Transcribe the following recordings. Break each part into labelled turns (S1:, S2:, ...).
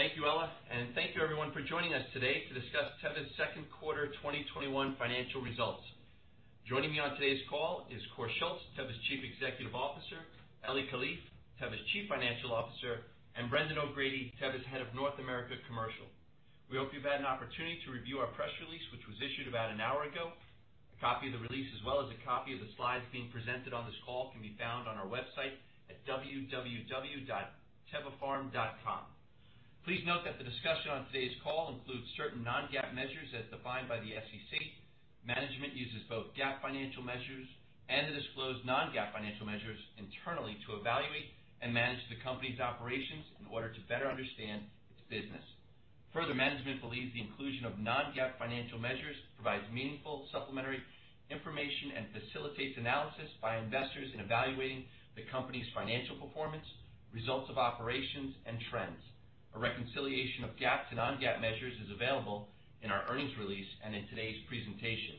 S1: Thank you, Ella, and thank you everyone for joining us today to discuss Teva's Second Quarter 2021 Financial Results. Joining me on today's call is Kåre Schultz, Teva's Chief Executive Officer, Eli Kalif, Teva's Chief Financial Officer, and Brendan O'Grady, Teva's Head of North America Commercial. We hope you've had an opportunity to review our press release, which was issued about an hour ago. A copy of the release, as well as a copy of the slides being presented on this call, can be found on our website at www.tevapharm.com. Please note that the discussion on today's call includes certain non-GAAP measures as defined by the SEC. Management uses both GAAP financial measures and the disclosed non-GAAP financial measures internally to evaluate and manage the company's operations in order to better understand its business. Further, management believes the inclusion of non-GAAP financial measures provides meaningful supplementary information and facilitates analysis by investors in evaluating the company's financial performance, results of operations, and trends. A reconciliation of GAAP to non-GAAP measures is available in our earnings release and in today's presentation.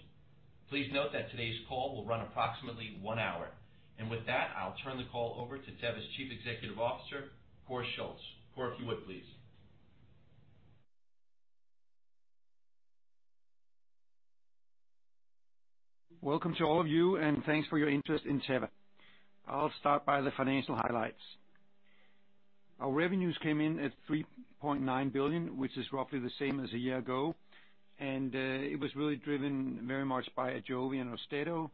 S1: Please note that today's call will run approximately one hour. With that, I'll turn the call over to Teva's Chief Executive Officer, Kåre Schultz. Kåre, if you would please.
S2: Welcome to all of you. Thanks for your interest in Teva. I'll start by the financial highlights. Our revenues came in at $3.9 billion, which is roughly the same as a year ago, and it was really driven very much by AJOVY and Austedo.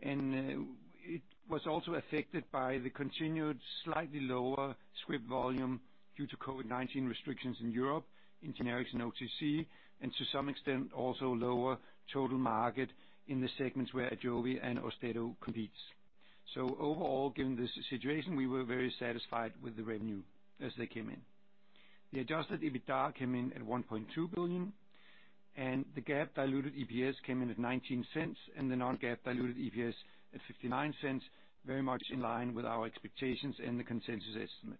S2: It was also affected by the continued slightly lower script volume due to COVID-19 restrictions in Europe in generics and OTC, and to some extent, also lower total market in the segments where AJOVY and Austedo competes. Overall, given the situation, we were very satisfied with the revenue as they came in. The adjusted EBITDA came in at $1.2 billion, and the GAAP diluted EPS came in at $0.19, and the non-GAAP diluted EPS at $0.59, very much in line with our expectations and the consensus estimate.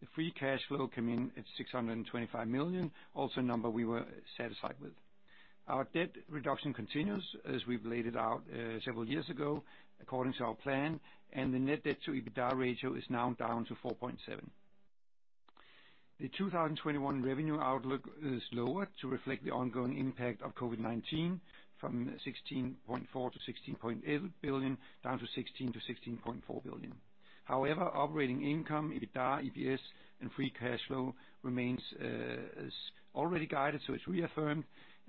S2: The free cash flow came in at $625 million, also a number we were satisfied with. Our debt reduction continues as we've laid it out several years ago, according to our plan, and the net debt to EBITDA ratio is now down to 4.7. The 2021 revenue outlook is lower to reflect the ongoing impact of COVID-19 from $16.4 billion-$16.8 billion down to $16 billion-$16.4 billion. Operating income, EBITDA, EPS, and free cash flow remains as already guided, so it's reaffirmed.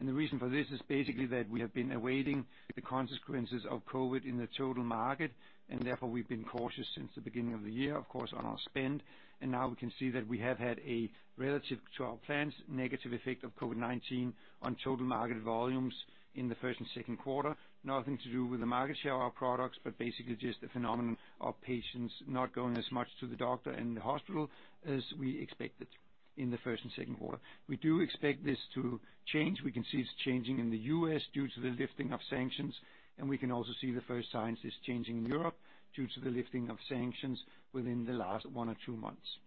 S2: The reason for this is basically that we have been awaiting the consequences of COVID in the total market, and therefore, we've been cautious since the beginning of the year, of course, on our spend. Now we can see that we have had a relative to our plans negative effect of COVID-19 on total market volumes in the first and second quarter. Nothing to do with the market share of our products, but basically just the phenomenon of patients not going as much to the doctor and the hospital as we expected in the first and second quarter. We do expect this to change. We can see it's changing in the U.S. due to the lifting of sanctions, and we can also see the first signs it's changing in Europe due to the lifting of sanctions within the last one or two months.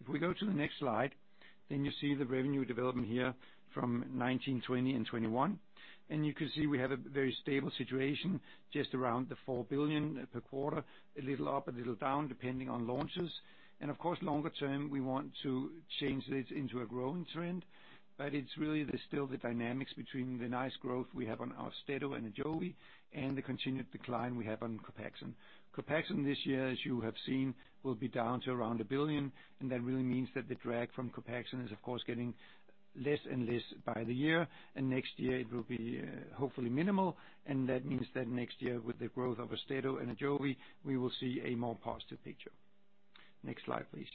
S2: If we go to the next slide, then you see the revenue development here from 2019, 2020, and 2021, and you can see we have a very stable situation just around the $4 billion per quarter, a little up, a little down, depending on launches. Of course, longer term, we want to change this into a growing trend, but it's really there's still the dynamics between the nice growth we have on Austedo and AJOVY and the continued decline we have on COPAXONE. COPAXONE this year, as you have seen, will be down to around $1 billion, That really means that the drag from COPAXONE is, of course, getting less and less by the year. Next year it will be hopefully minimal. That means that next year, with the growth of Austedo and AJOVY, we will see a more positive picture. Next slide, please.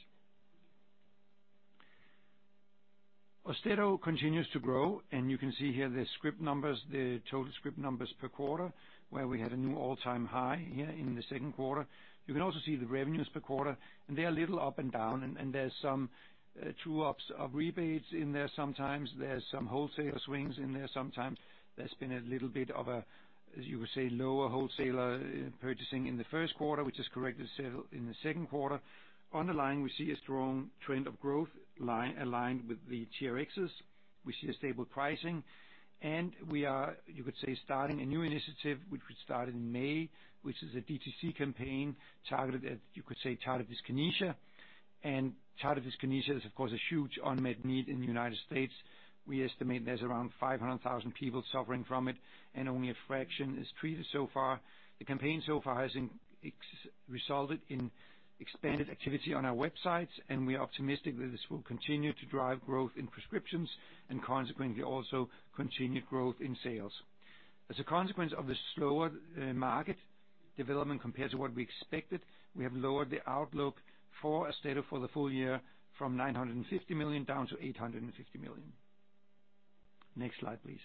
S2: Austedo continues to grow. You can see here the script numbers, the total script numbers per quarter, where we had a new all-time high here in the second quarter. You can also see the revenues per quarter. They are a little up and down, and there's some true-ups of rebates in there sometimes. There's some wholesaler swings in there sometimes. There's been a little bit of a, as you would say, lower wholesaler purchasing in the first quarter, which has corrected itself in the second quarter. Underlying, we see a strong trend of growth aligned with the TRxs. We see a stable pricing. We are, you could say, starting a new initiative, which we started in May, which is a DTC campaign targeted at, you could say, tardive dyskinesia. Tardive dyskinesia is, of course, a huge unmet need in the United States. We estimate there's around 500,000 people suffering from it, and only a fraction is treated so far. The campaign so far has resulted in expanded activity on our websites, and we are optimistic that this will continue to drive growth in prescriptions and consequently also continued growth in sales. As a consequence of the slower market development compared to what we expected, we have lowered the outlook for Austedo for the full year from $950 million down to $850 million. Next slide, please.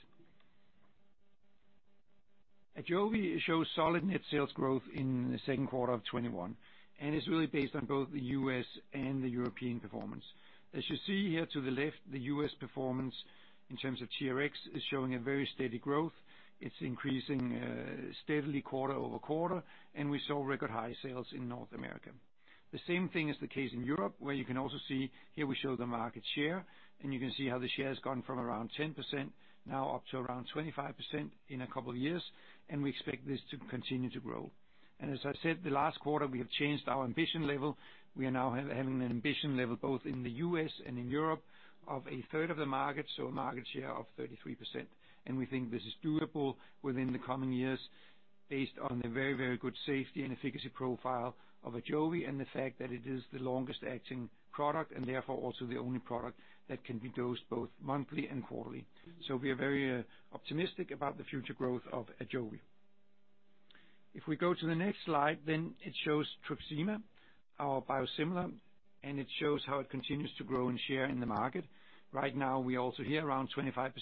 S2: AJOVY shows solid net sales growth in the second quarter of 2021, and it's really based on both the U.S. and the European performance. As you see here to the left, the U.S. performance in terms of TRx is showing a very steady growth. It's increasing steadily quarter-over-quarter, we saw record high sales in North America. The same thing is the case in Europe, where you can also see here we show the market share, you can see how the share has gone from around 10% now up to around 25% in a couple of years, we expect this to continue to grow. As I said, the last quarter, we have changed our ambition level. We are now having an ambition level both in the U.S. and in Europe of a third of the market, so a market share of 33%. We think this is doable within the coming years based on the very, very good safety and efficacy profile of AJOVY and the fact that it is the longest acting product and therefore also the only product that can be dosed both monthly and quarterly. We are very optimistic about the future growth of AJOVY. If we go to the next slide, it shows TRUXIMA, our biosimilar, and it shows how it continues to grow in share in the market. Right now, we're also here around 25%.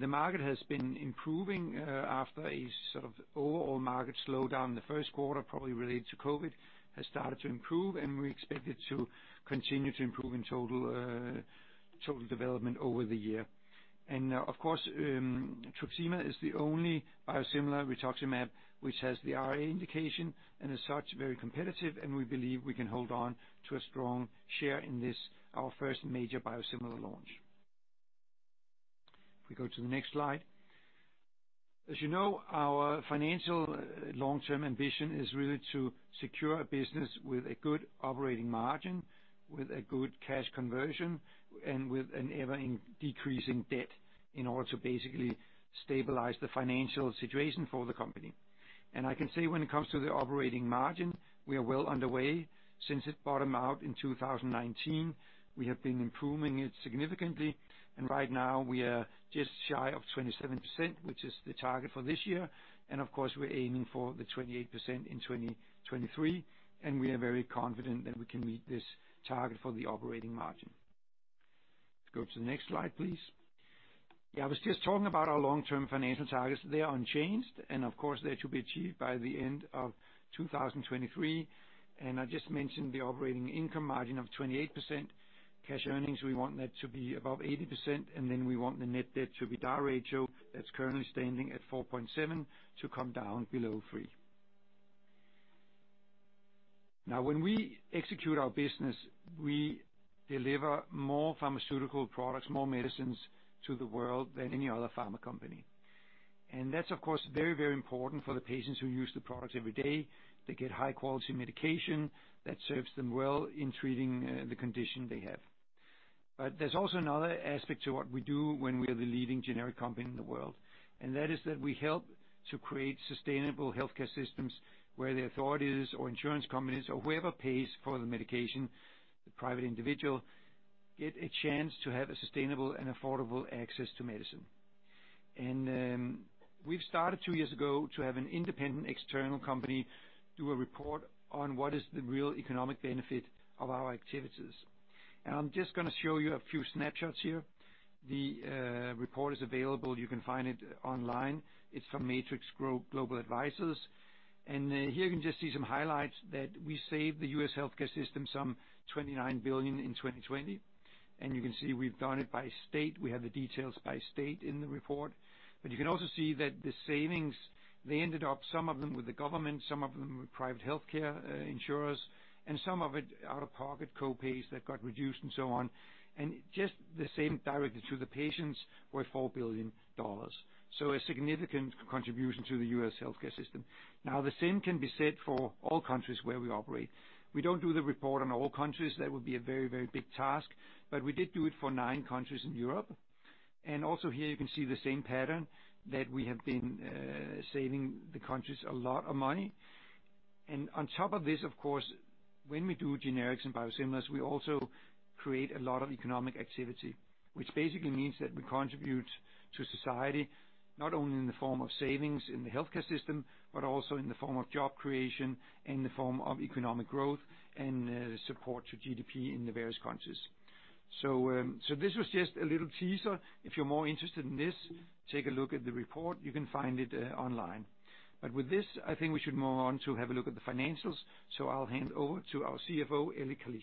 S2: The market has been improving after a sort of overall market slowdown in the first quarter, probably related to COVID, has started to improve. We expect it to continue to improve in total development over the year. Of course, TRUXIMA is the only biosimilar rituximab which has the RA indication and as such, very competitive, and we believe we can hold on to a strong share in this, our first major biosimilar launch. If we go to the next slide. As you know, our financial long-term ambition is really to secure a business with a good operating margin, with a good cash conversion, and with an ever-decreasing debt in order to basically stabilize the financial situation for the company. I can say when it comes to the operating margin, we are well underway. Since it bottomed out in 2019, we have been improving it significantly. Right now we are just shy of 27%, which is the target for this year. Of course, we're aiming for the 28% in 2023, and we are very confident that we can meet this target for the operating margin. Let's go to the next slide, please. Yeah, I was just talking about our long-term financial targets. They are unchanged, and of course, they're to be achieved by the end of 2023. I just mentioned the operating income margin of 28%. Cash earnings, we want that to be above 80%, and then we want the net debt to EBITDA ratio that's currently standing at 4.7 to come down below 3. When we execute our business, we deliver more pharmaceutical products, more medicines to the world than any other pharma company. That's, of course, very, very important for the patients who use the products every day. They get high-quality medication that serves them well in treating the condition they have. There's also another aspect to what we do when we are the leading generic company in the world, and that is that we help to create sustainable healthcare systems where the authorities or insurance companies or whoever pays for the medication, the private individual, get a chance to have a sustainable and affordable access to medicine. We've started two years ago to have an independent external company do a report on what is the real economic benefit of our activities. I'm just going to show you a few snapshots here. The report is available. You can find it online. It's from Matrix Global Advisors. Here you can just see some highlights that we saved the U.S. healthcare system some $29 billion in 2020. You can see we've done it by state. We have the details by state in the report. You can also see that the savings, they ended up some of them with the government, some of them with private healthcare insurers, and some of it out-of-pocket co-pays that got reduced and so on, and just the same directly to the patients were $4 billion. A significant contribution to the U.S. healthcare system. The same can be said for all countries where we operate. We don't do the report on all countries. That would be a very, very big task. We did do it for nine countries in Europe. Also here you can see the same pattern that we have been saving the countries a lot of money. On top of this, of course, when we do generics and biosimilars, we also create a lot of economic activity, which basically means that we contribute to society not only in the form of savings in the healthcare system, but also in the form of job creation and in the form of economic growth and support to GDP in the various countries. This was just a little teaser. If you're more interested in this, take a look at the report. You can find it online. With this, I think we should move on to have a look at the financials. I'll hand over to our CFO, Eli Kalif.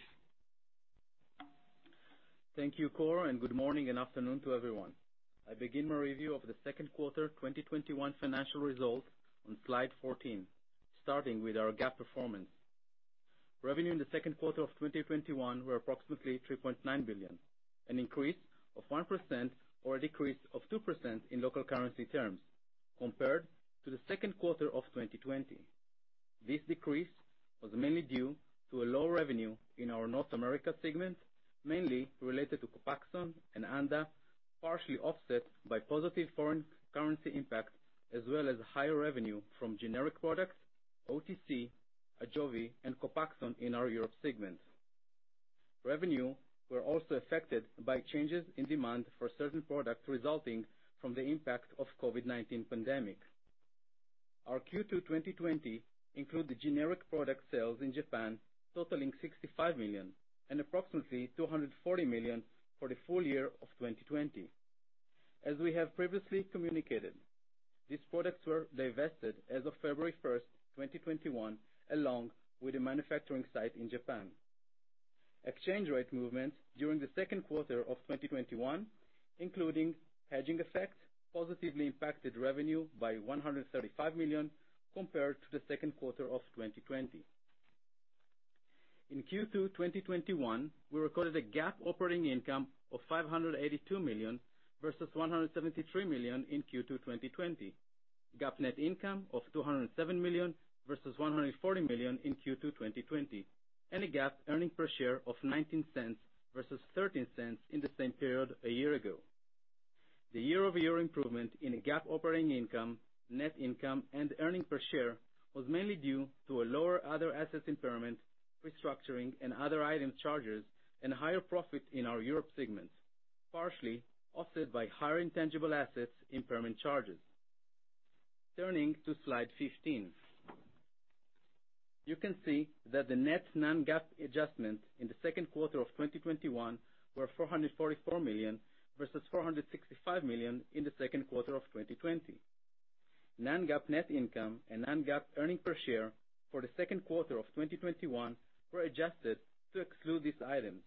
S3: Thank you, Kåre, good morning and afternoon to everyone. I begin my review of the second quarter 2021 financial results on slide 14, starting with our GAAP performance. Revenue in the second quarter of 2021 were approximately $3.9 billion, an increase of 1% or a decrease of 2% in local currency terms compared to the second quarter of 2020. This decrease was mainly due to a low revenue in our North America segment, mainly related to COPAXONE and Anda, partially offset by positive foreign currency impact as well as higher revenue from generic products, OTC, AJOVY, and COPAXONE in our Europe segment. Revenue were also affected by changes in demand for certain products resulting from the impact of COVID-19 pandemic. Our Q2 2020 include the generic product sales in Japan totaling $65 million and approximately $240 million for the full year of 2020. As we have previously communicated, these products were divested as of February 1st, 2021, along with a manufacturing site in Japan. Exchange rate movement during the second quarter of 2021, including hedging effects, positively impacted revenue by $135 million compared to the second quarter of 2020. In Q2 2021, we recorded a GAAP operating income of $582 million, versus $173 million in Q2 2020. GAAP net income of $207 million versus $140 million in Q2 2020, and a GAAP earnings per share of $0.19 versus $0.13 in the same period a year ago. The year-over-year improvement in a GAAP operating income, net income, and earnings per share was mainly due to a lower other assets impairment, restructuring and other item charges, and higher profit in our Europe segment, partially offset by higher intangible assets impairment charges. Turning to slide 15. You can see that the net non-GAAP adjustments in the second quarter of 2021 were $444 million versus $465 million in the second quarter of 2020. Non-GAAP net income and non-GAAP EPS for the second quarter of 2021 were adjusted to exclude these items,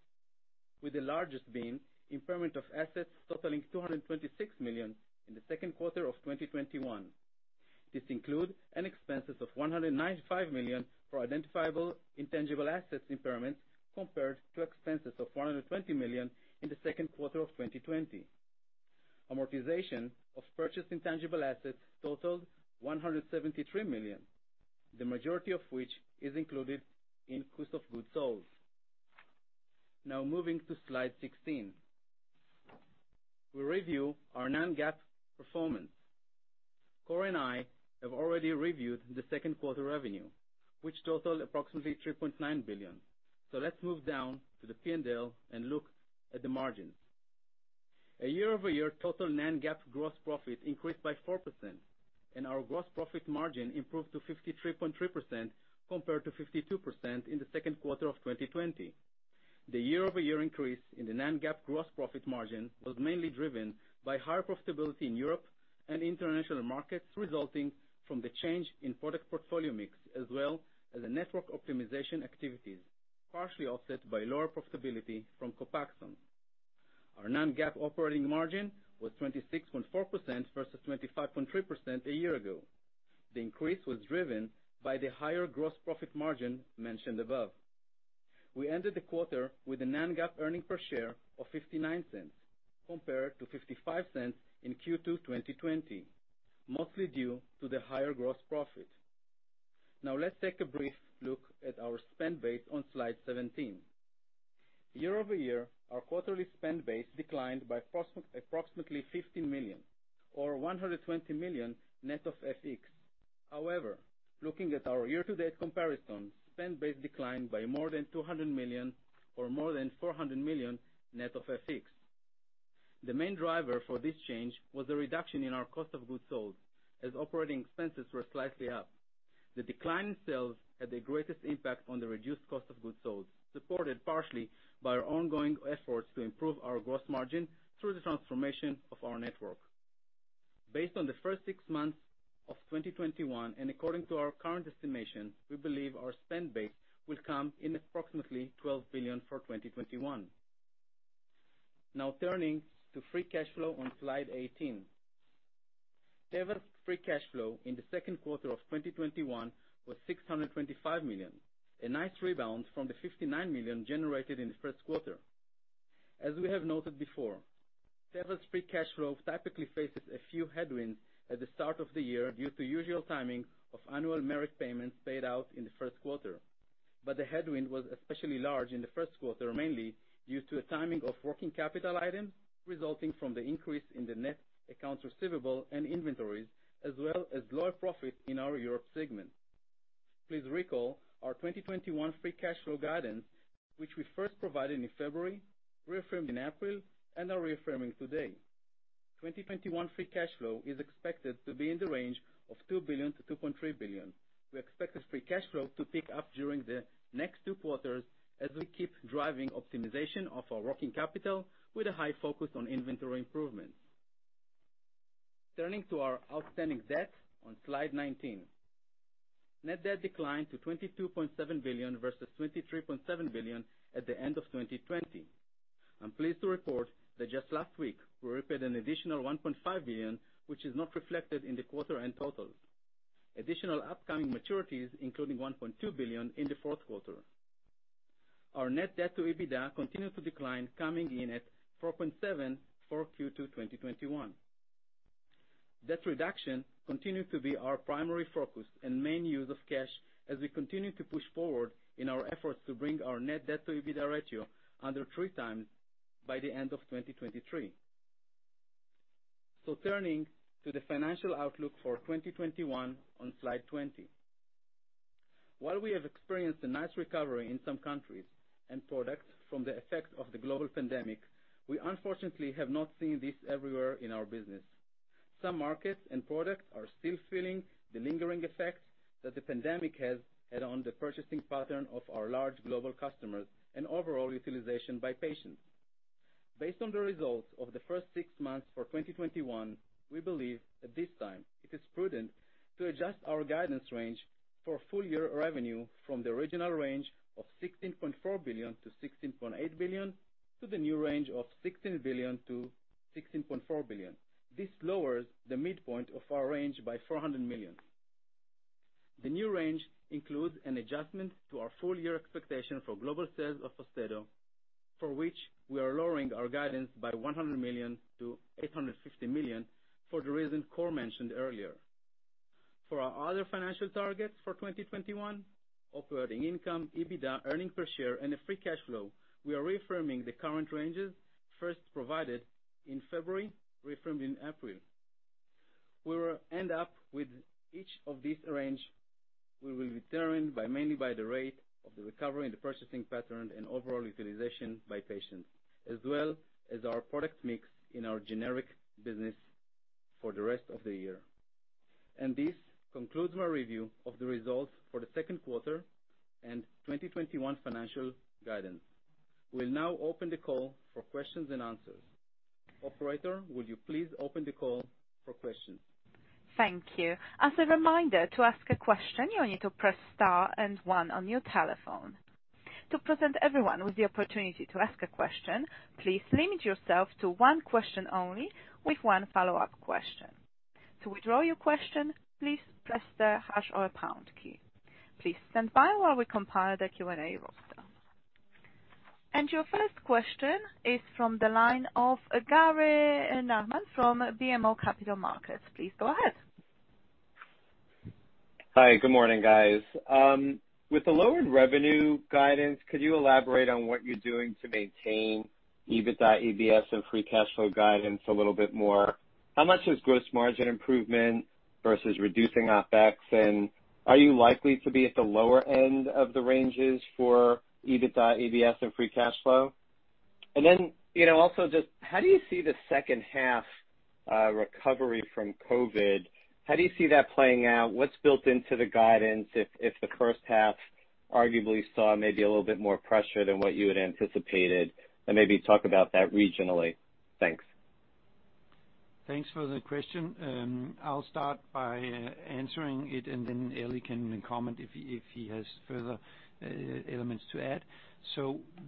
S3: with the largest being impairment of assets totaling $226 million in the second quarter of 2021. This includes expenses of $195 million for identifiable intangible assets impairments, compared to expenses of $420 million in the second quarter of 2020. Amortization of purchased intangible assets totaled $173 million, the majority of which is included in cost of goods sold. Moving to slide 16. We review our non-GAAP performance. Kåre and I have already reviewed the second quarter revenue, which totaled approximately $3.9 billion. Let's move down to the P&L and look at the margins. A year-over-year total non-GAAP gross profit increased by 4%, and our gross profit margin improved to 53.3% compared to 52% in the second quarter of 2020. The year-over-year increase in the non-GAAP gross profit margin was mainly driven by higher profitability in Europe and international markets, resulting from the change in product portfolio mix, as well as the network optimization activities, partially offset by lower profitability from COPAXONE. Our non-GAAP operating margin was 26.4% versus 25.3% a year ago. The increase was driven by the higher gross profit margin mentioned above. We ended the quarter with a non-GAAP earnings per share of $0.59 compared to $0.55 in Q2 2020, mostly due to the higher gross profit. Let's take a brief look at our spend base on slide 17. Year-over-year, our quarterly spend base declined by approximately $50 million or $120 million net of FX. However, looking at our year-to-date comparison, spend base declined by more than $200 million or more than $400 million net of FX. The main driver for this change was the reduction in our cost of goods sold, as operating expenses were slightly up. The decline in sales had the greatest impact on the reduced cost of goods sold, supported partially by our ongoing efforts to improve our gross margin through the transformation of our network. Based on the first six months of 2021, and according to our current estimations, we believe our spend base will come in approximately $12 billion for 2021. Now turning to free cash flow on slide 18. Teva's free cash flow in the second quarter of 2021 was $625 million, a nice rebound from the $59 million generated in the first quarter. As we have noted before, Teva's free cash flow typically faces a few headwinds at the start of the year due to usual timing of annual merit payments paid out in the first quarter. The headwind was especially large in the first quarter, mainly due to a timing of working capital items, resulting from the increase in the net accounts receivable and inventories, as well as lower profit in our Europe segment. Please recall our 2021 free cash flow guidance, which we first provided in February, reaffirmed in April, and are reaffirming today. 2021 free cash flow is expected to be in the range of $2 billion-$2.3 billion. We expect this free cash flow to pick up during the next two quarters as we keep driving optimization of our working capital with a high focus on inventory improvements. Turning to our outstanding debt on slide 19. Net debt declined to $22.7 billion versus $23.7 billion at the end of 2020. I'm pleased to report that just last week, we repaid an additional $1.5 billion, which is not reflected in the quarter-end totals. Additional upcoming maturities including $1.2 billion in the fourth quarter. Our net debt to EBITDA continues to decline, coming in at 4.7 for Q2 2021. Debt reduction continues to be our primary focus and main use of cash as we continue to push forward in our efforts to bring our net debt to EBITDA ratio under three times by the end of 2023. Turning to the financial outlook for 2021 on slide 20. While we have experienced a nice recovery in some countries and products from the effect of the global pandemic, we unfortunately have not seen this everywhere in our business. Some markets and products are still feeling the lingering effects that the pandemic has had on the purchasing pattern of our large global customers and overall utilization by patients. Based on the results of the first six months for 2021, we believe at this time it is prudent to adjust our guidance range for full year revenue from the original range of $16.4 billion-$16.8 billion, to the new range of $16 billion-$16.4 billion. This lowers the midpoint of our range by $400 million. The new range includes an adjustment to our full year expectation for global sales of Austedo, for which we are lowering our guidance by $100 million-$850 million for the reason Kåre mentioned earlier. For our other financial targets for 2021, operating income, EBITDA, earnings per share and the free cash flow, we are reaffirming the current ranges first provided in February, reaffirmed in April. Where we end up with each of this range will be determined mainly by the rate of the recovery and the purchasing pattern and overall utilization by patients, as well as our product mix in our generic business for the rest of the year. This concludes my review of the results for the second quarter and 2021 financial guidance. We'll now open the call for questions and answers. Operator, would you please open the call for questions?
S4: Thank you. As a reminder, to ask a question, you need to press star and one on your telephone. To present everyone with the opportunity to ask a question, please limit yourself to one question only with one follow-up question. To withdraw your question, please press the hash or pound key. Please stand by while we compile the Q&A roster. Your first question is from the line of Gary Nachman from BMO Capital Markets. Please go ahead.
S5: Hi, good morning, guys. With the lowered revenue guidance, could you elaborate on what you're doing to maintain EBITDA, EPS and free cash flow guidance a little bit more? How much is gross margin improvement versus reducing OpEx, and are you likely to be at the lower end of the ranges for EBITDA, EPS, and free cash flow? Also just how do you see the second half recovery from COVID? How do you see that playing out? What's built into the guidance if the first half arguably saw maybe a little bit more pressure than what you had anticipated, and maybe talk about that regionally? Thanks.
S2: Thanks for the question. I'll start by answering it and then Eli can comment if he has further elements to add.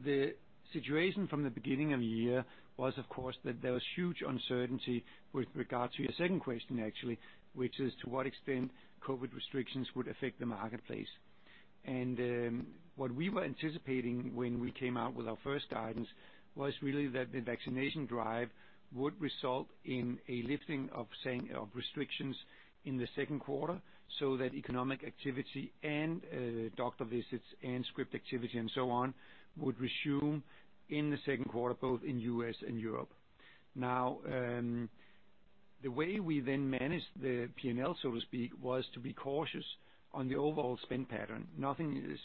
S2: The situation from the beginning of the year was, of course, that there was huge uncertainty with regard to your second question, actually, which is to what extent COVID restrictions would affect the marketplace. What we were anticipating when we came out with our first guidance was really that the vaccination drive would result in a lifting of restrictions in the second quarter, so that economic activity and doctor visits and script activity and so on, would resume in the second quarter, both in U.S. and Europe. The way we then managed the P&L, so to speak, was to be cautious on the overall spend pattern. Nothing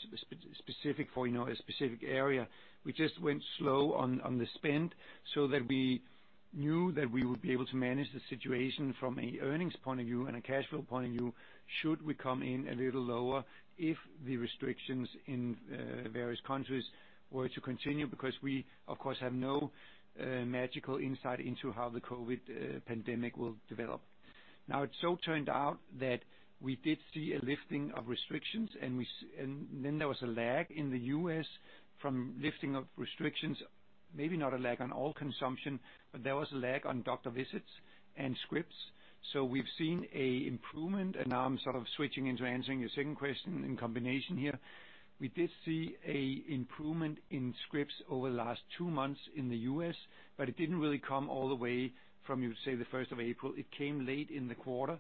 S2: specific for a specific area. We just went slow on the spend so that we knew that we would be able to manage the situation from an earnings point of view and a cash flow point of view, should we come in a little lower if the restrictions in various countries were to continue, because we, of course, have no magical insight into how the COVID pandemic will develop. It so turned out that we did see a lifting of restrictions and then there was a lag in the U.S. from lifting of restrictions, maybe not a lag on all consumption, but there was a lag on doctor visits and scripts. We've seen an improvement, and now I'm sort of switching into answering your second question in combination here. We did see an improvement in scripts over the last two months in the U.S., it didn't really come all the way from, say, the 1st of April. It came late in the quarter.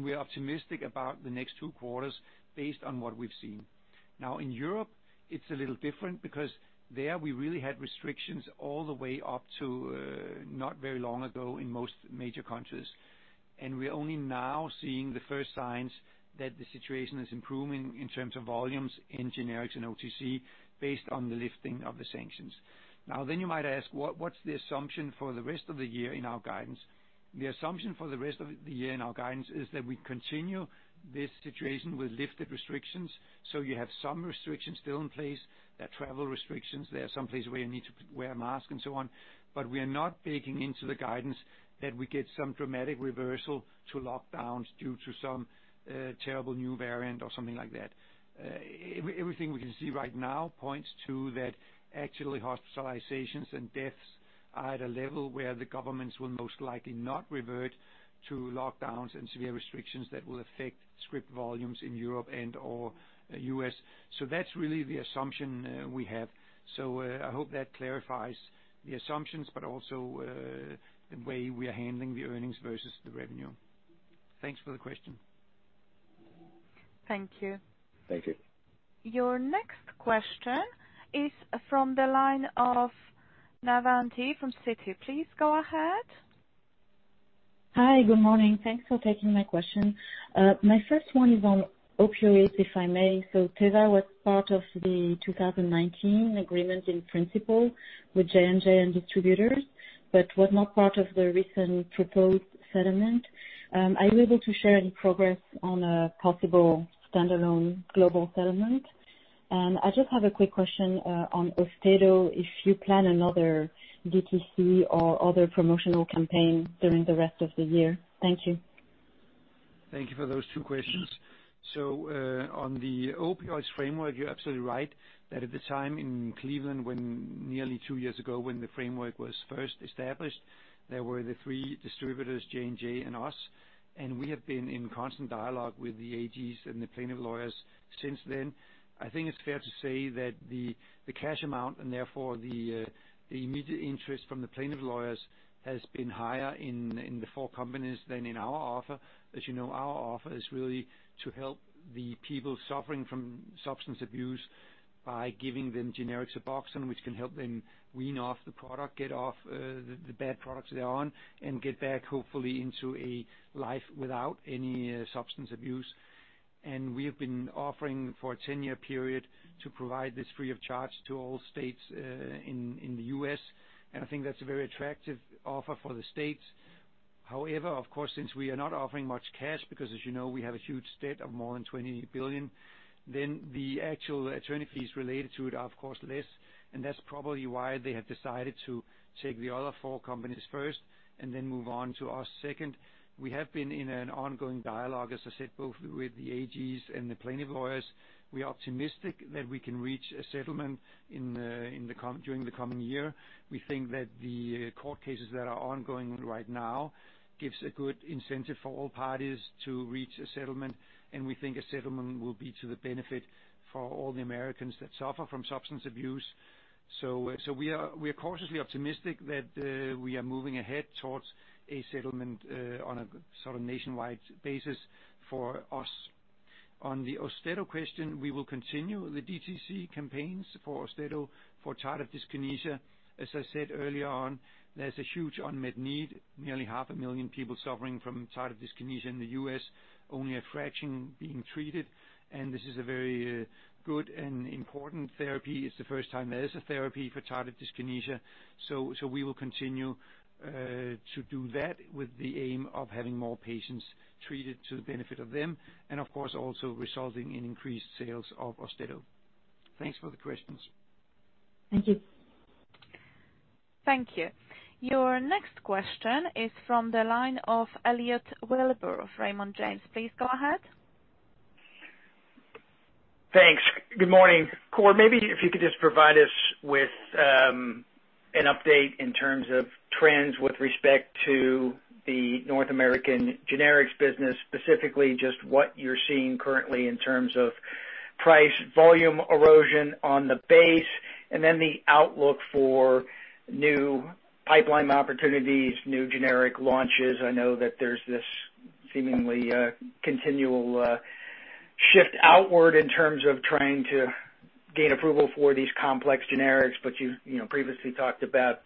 S2: We are optimistic about the next two quarters based on what we've seen. In Europe, it's a little different because there we really had restrictions all the way up to not very long ago in most major countries. We're only now seeing the first signs that the situation is improving in terms of volumes in generics and OTC, based on the lifting of the sanctions. You might ask, what's the assumption for the rest of the year in our guidance? The assumption for the rest of the year in our guidance is that we continue this situation with lifted restrictions. You have some restrictions still in place. There are travel restrictions. There are some places where you need to wear a mask and so on. We are not baking into the guidance that we get some dramatic reversal to lockdowns due to some terrible new variant or something like that. Everything we can see right now points to that actually hospitalizations and deaths are at a level where the governments will most likely not revert to lockdowns and severe restrictions that will affect script volumes in Europe and or U.S. That's really the assumption we have. I hope that clarifies the assumptions, but also the way we are handling the earnings versus the revenue. Thanks for the question.
S4: Thank you.
S5: Thank you.
S4: Your next question is from the line of Navann Ty from Citi. Please go ahead.
S6: Hi. Good morning. Thanks for taking my question. My first one is on opioids, if I may. Teva was part of the 2019 agreement in principle with J&J and distributors, but was not part of the recent proposed settlement. Are you able to share any progress on a possible standalone global settlement? I just have a quick question on Austedo, if you plan another DTC or other promotional campaign during the rest of the year. Thank you.
S2: Thank you for those two questions. On the opioids framework, you're absolutely right that at the time in Cleveland when nearly two years ago when the framework was first established, there were the three distributors, J&J, and us, and we have been in constant dialogue with the AGs and the plaintiff lawyers since then. I think it's fair to say that the cash amount and therefore the immediate interest from the plaintiff lawyers has been higher in the four companies than in our offer. As you know, our offer is really to help the people suffering from substance abuse by giving them generic Suboxone, which can help them wean off the product, get off the bad products they're on, and get back, hopefully, into a life without any substance abuse. We have been offering for a 10-year period to provide this free of charge to all states in the U.S., and I think that's a very attractive offer for the states. However, of course, since we are not offering much cash because as you know, we have a huge debt of more than $20 billion, then the actual attorney fees related to it are of course less. That's probably why they have decided to take the other four companies first and then move on to us second. We have been in an ongoing dialogue, as I said, both with the AGs and the plaintiff lawyers. We are optimistic that we can reach a settlement during the coming year. We think that the court cases that are ongoing right now gives a good incentive for all parties to reach a settlement. We think a settlement will be to the benefit for all the Americans that suffer from substance abuse. We are cautiously optimistic that we are moving ahead towards a settlement on a sort of nationwide basis for us. On the Austedo question, we will continue the DTC campaigns for Austedo for tardive dyskinesia. As I said earlier on, there's a huge unmet need. Nearly 500,000 people suffering from tardive dyskinesia in the U.S., only a fraction being treated. This is a very good and important therapy. It's the first time there's a therapy for tardive dyskinesia. We will continue to do that with the aim of having more patients treated to the benefit of them and of course also resulting in increased sales of Austedo. Thanks for the questions.
S6: Thank you.
S4: Thank you. Your next question is from the line of Elliot Wilbur of Raymond James. Please go ahead.
S7: Thanks. Good morning. Kåre, maybe if you could just provide us with an update in terms of trends with respect to the North American generics business, specifically just what you're seeing currently in terms of price volume erosion on the base and the outlook for new pipeline opportunities, new generic launches. I know that there's this seemingly continual shift outward in terms of trying to gain approval for these complex generics, but you previously talked about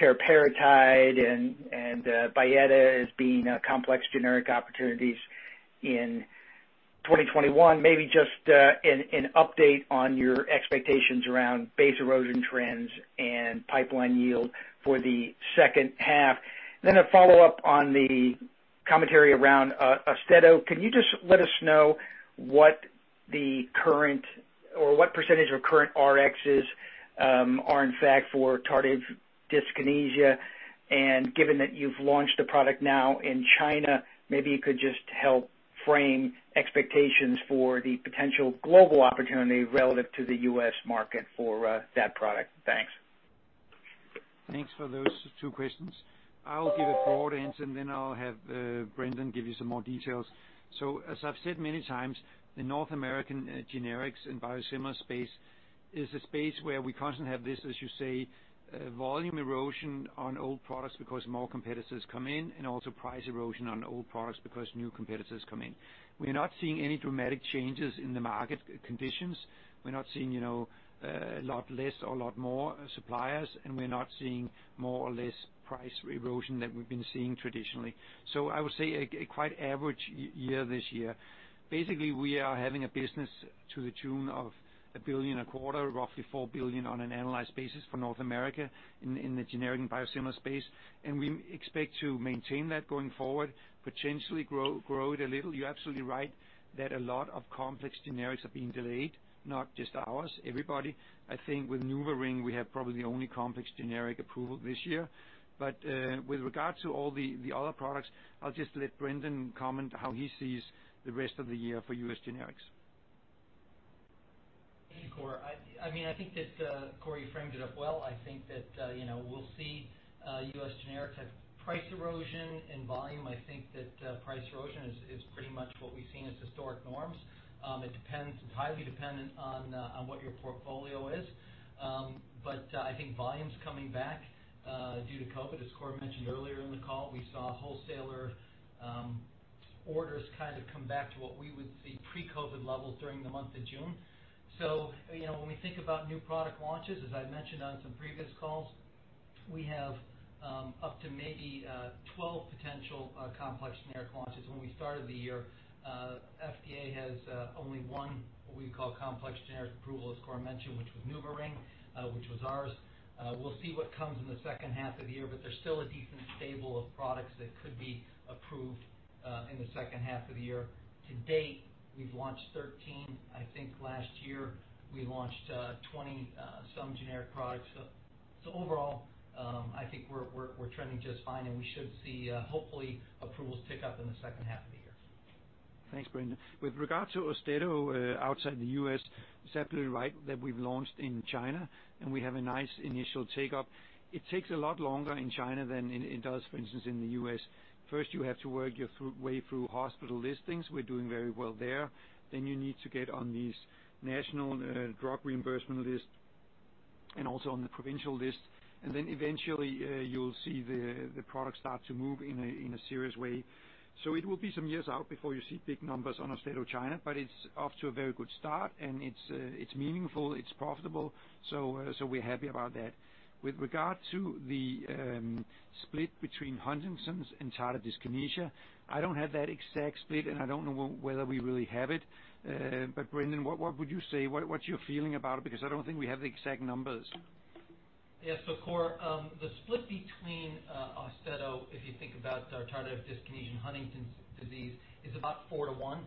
S7: teriparatide and Byetta as being complex generic opportunities in 2021. Maybe just an update on your expectations around base erosion trends and pipeline yield for the second half. A follow-up on the commentary around Austedo. Can you just let us know what the current or what percentage of current RXes are in fact for tardive dyskinesia? Given that you've launched a product now in China, maybe you could just help frame expectations for the potential global opportunity relative to the U.S. market for that product. Thanks.
S2: Thanks for those two questions. I will give a broad answer, and then I'll have Brendan give you some more details. As I've said many times, the North American generics and biosimilar space is a space where we constantly have this, as you say, volume erosion on old products because more competitors come in and also price erosion on old products because new competitors come in. We are not seeing any dramatic changes in the market conditions. We're not seeing a lot less or a lot more suppliers, and we're not seeing more or less price erosion than we've been seeing traditionally. I would say a quite average year this year. Basically, we are having a business to the tune of $1 billion a quarter, roughly $4 billion on an annualized basis for North America in the generic and biosimilar space. We expect to maintain that going forward, potentially grow it a little. You're absolutely right that a lot of complex generics are being delayed, not just ours, everybody. I think with NuvaRing, we have probably the only complex generic approval this year. With regard to all the other products, I'll just let Brendan comment how he sees the rest of the year for U.S. generics.
S8: Thank you, Kåre. I think that Kåre framed it up well. I think that we'll see U.S. generics have price erosion in volume. I think that price erosion is pretty much what we've seen as historic norms. It's highly dependent on what your portfolio is. I think volume's coming back due to COVID. As Kåre mentioned earlier in the call, we saw wholesaler orders kind of come back to what we would see pre-COVID levels during the month of June. When we think about new product launches, as I mentioned on some previous calls, we have up to maybe 12 potential complex generic launches when we started the year. FDA has only one, what we call complex generic approval, as Kåre mentioned, which was NuvaRing, which was ours. We'll see what comes in the second half of the year, but there's still a decent stable of products that could be approved in the second half of the year. To date, we've launched 13. I think last year we launched 20-some generic products. Overall, I think we're trending just fine, and we should see, hopefully, approvals tick up in the second half of the year.
S2: Thanks, Brendan. With regard to Austedo outside the U.S., is that right that we've launched in China and we have a nice initial take-up? It takes a lot longer in China than it does, for instance, in the U.S. First, you have to work your way through hospital listings. We're doing very well there. You need to get on these national drug reimbursement list and also on the provincial list. Eventually, you'll see the product start to move in a serious way. It will be some years out before you see big numbers on Austedo China, but it's off to a very good start and it's meaningful, it's profitable, so we're happy about that. With regard to the split between Huntington's and tardive dyskinesia, I don't have that exact split, and I don't know whether we really have it. Brendan, what would you say? What's your feeling about it? I don't think we have the exact numbers.
S8: Yeah. Kåre, the split between Austedo, if you think about tardive dyskinesia and Huntington's disease, is about four to one.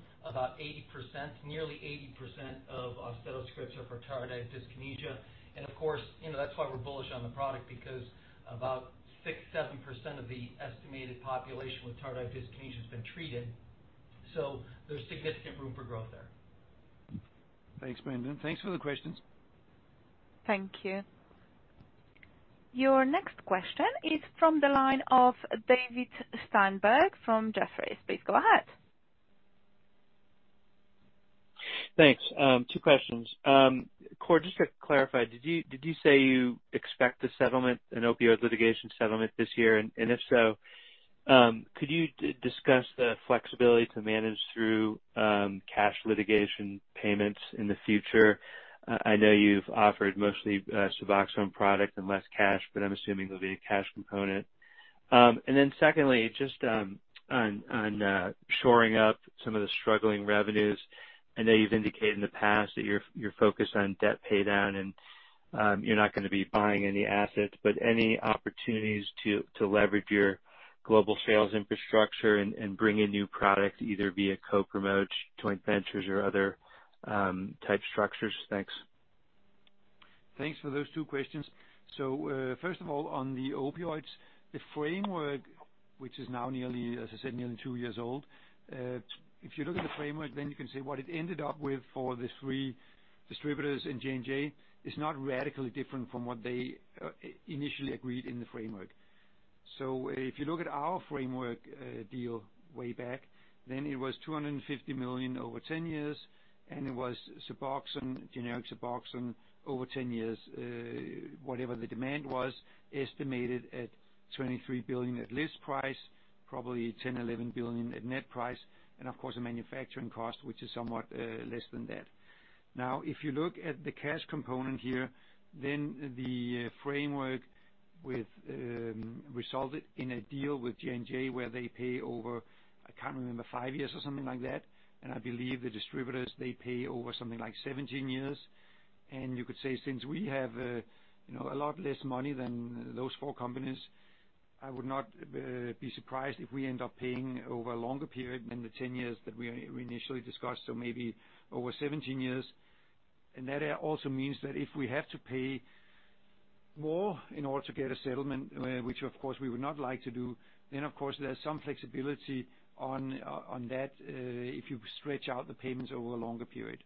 S8: Nearly 80% of Austedo scripts are for tardive dyskinesia, and of course, that's why we're bullish on the product because about 6%, 7% of the estimated population with tardive dyskinesia has been treated. There's significant room for growth there.
S2: Thanks, Brendan. Thanks for the questions.
S4: Thank you. Your next question is from the line of David Steinberg from Jefferies. Please go ahead.
S9: Thanks. Two questions. Kåre, just to clarify, did you say you expect an opioid litigation settlement this year? If so, could you discuss the flexibility to manage through cash litigation payments in the future? I know you've offered mostly Suboxone product and less cash, but I'm assuming there'll be a cash component. Secondly, just on shoring up some of the struggling revenues. I know you've indicated in the past that you're focused on debt pay down and you're not going to be buying any assets, but any opportunities to leverage your global sales infrastructure and bring in new product, either via co-promote, joint ventures or other type structures? Thanks.
S2: Thanks for those two questions. First of all, on the opioids, the framework, which is now nearly two years old. If you look at the framework, then you can say what it ended up with for the three distributors in J&J is not radically different from what they initially agreed in the framework. If you look at our framework deal way back then, it was $250 million over 10 years, and it was generic Suboxone over 10 years. Whatever the demand was, estimated at $23 billion at list price, probably $10 billion, $11 billion at net price and of course a manufacturing cost, which is somewhat less than that. If you look at the cash component here, then the framework resulted in a deal with J&J where they pay over, I can't remember, five years or something like that. I believe the distributors, they pay over something like 17 years. You could say, since we have a lot less money than those four companies, I would not be surprised if we end up paying over a longer period than the 10 years that we initially discussed. Maybe over 17 years. That also means that if we have to pay more in order to get a settlement, which of course we would not like to do, then of course there's some flexibility on that if you stretch out the payments over a longer period.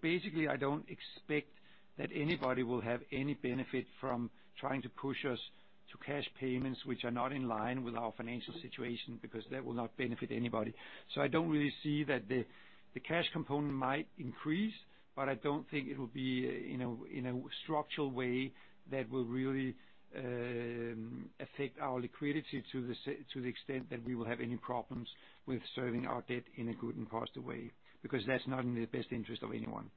S2: Basically, I don't expect that anybody will have any benefit from trying to push us to cash payments which are not in line with our financial situation, because that will not benefit anybody. I don't really see that the cash component might increase, but I don't think it'll be in a structural way that will really affect our liquidity to the extent that we will have any problems with serving our debt in a good and positive way, because that's not in the best interest of anyone.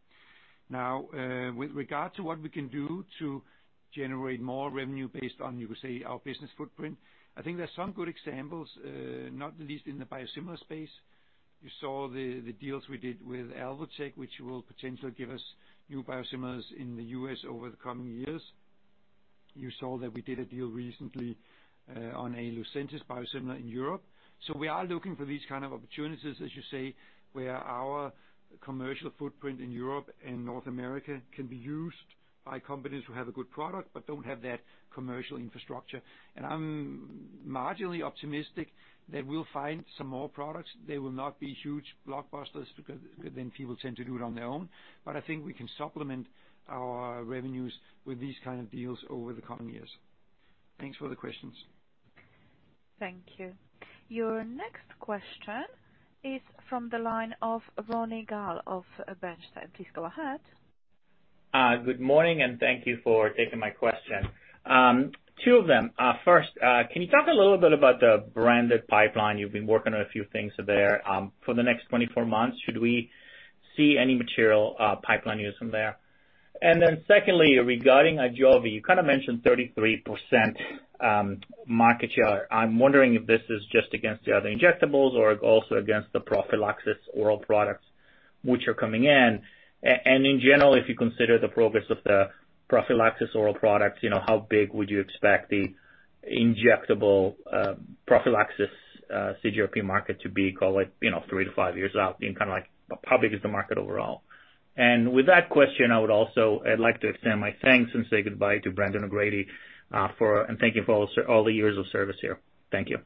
S2: With regard to what we can do to generate more revenue based on, you could say, our business footprint, I think there are some good examples, not least in the biosimilar space. You saw the deals we did with Alvotech, which will potentially give us new biosimilars in the U.S. over the coming years. You saw that we did a deal recently on a Lucentis biosimilar in Europe. We are looking for these kind of opportunities, as you say, where our commercial footprint in Europe and North America can be used by companies who have a good product but don't have that commercial infrastructure. I'm marginally optimistic that we'll find some more products. They will not be huge blockbusters because then people tend to do it on their own. I think we can supplement our revenues with these kind of deals over the coming years. Thanks for the questions.
S4: Thank you. Your next question is from the line of Ronny Gal of Bernstein. Please go ahead.
S10: Good morning. Thank you for taking my question. Two of them. First, can you talk a little bit about the branded pipeline? You've been working on a few things there. For the next 24 months, should we see any material pipeline news from there? Secondly, regarding AJOVY, you kind of mentioned 33% market share. I'm wondering if this is just against the other injectables or also against the prophylaxis oral products which are coming in. In general, if you consider the progress of the prophylaxis oral products, how big would you expect the injectable prophylaxis CGRP market to be, call it three to five years out, being kind of like how big is the market overall? With that question, I would also like to extend my thanks and say goodbye to Brendan O'Grady, and thank you for all the years of service here. Thank you.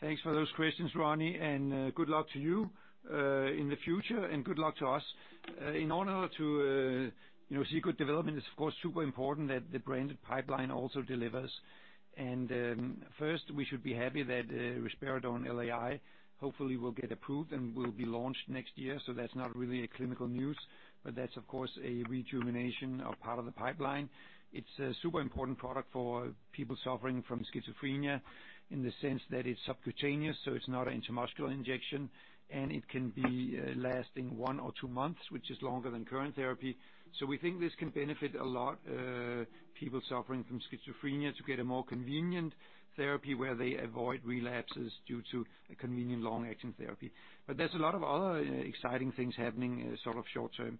S2: Thanks for those questions, Ronny, and good luck to you in the future, and good luck to us. In order to see good development, it's of course super important that the branded pipeline also delivers. First, we should be happy that risperidone LAI hopefully will get approved and will be launched next year. That's not really a clinical news, but that's of course a rejuvenation of part of the pipeline. It's a super important product for people suffering from schizophrenia in the sense that it's subcutaneous, so it's not an intramuscular injection, and it can be lasting one or two months, which is longer than current therapy. We think this can benefit a lot people suffering from schizophrenia to get a more convenient therapy where they avoid relapses due to a convenient long-acting therapy. There's a lot of other exciting things happening sort of short-term.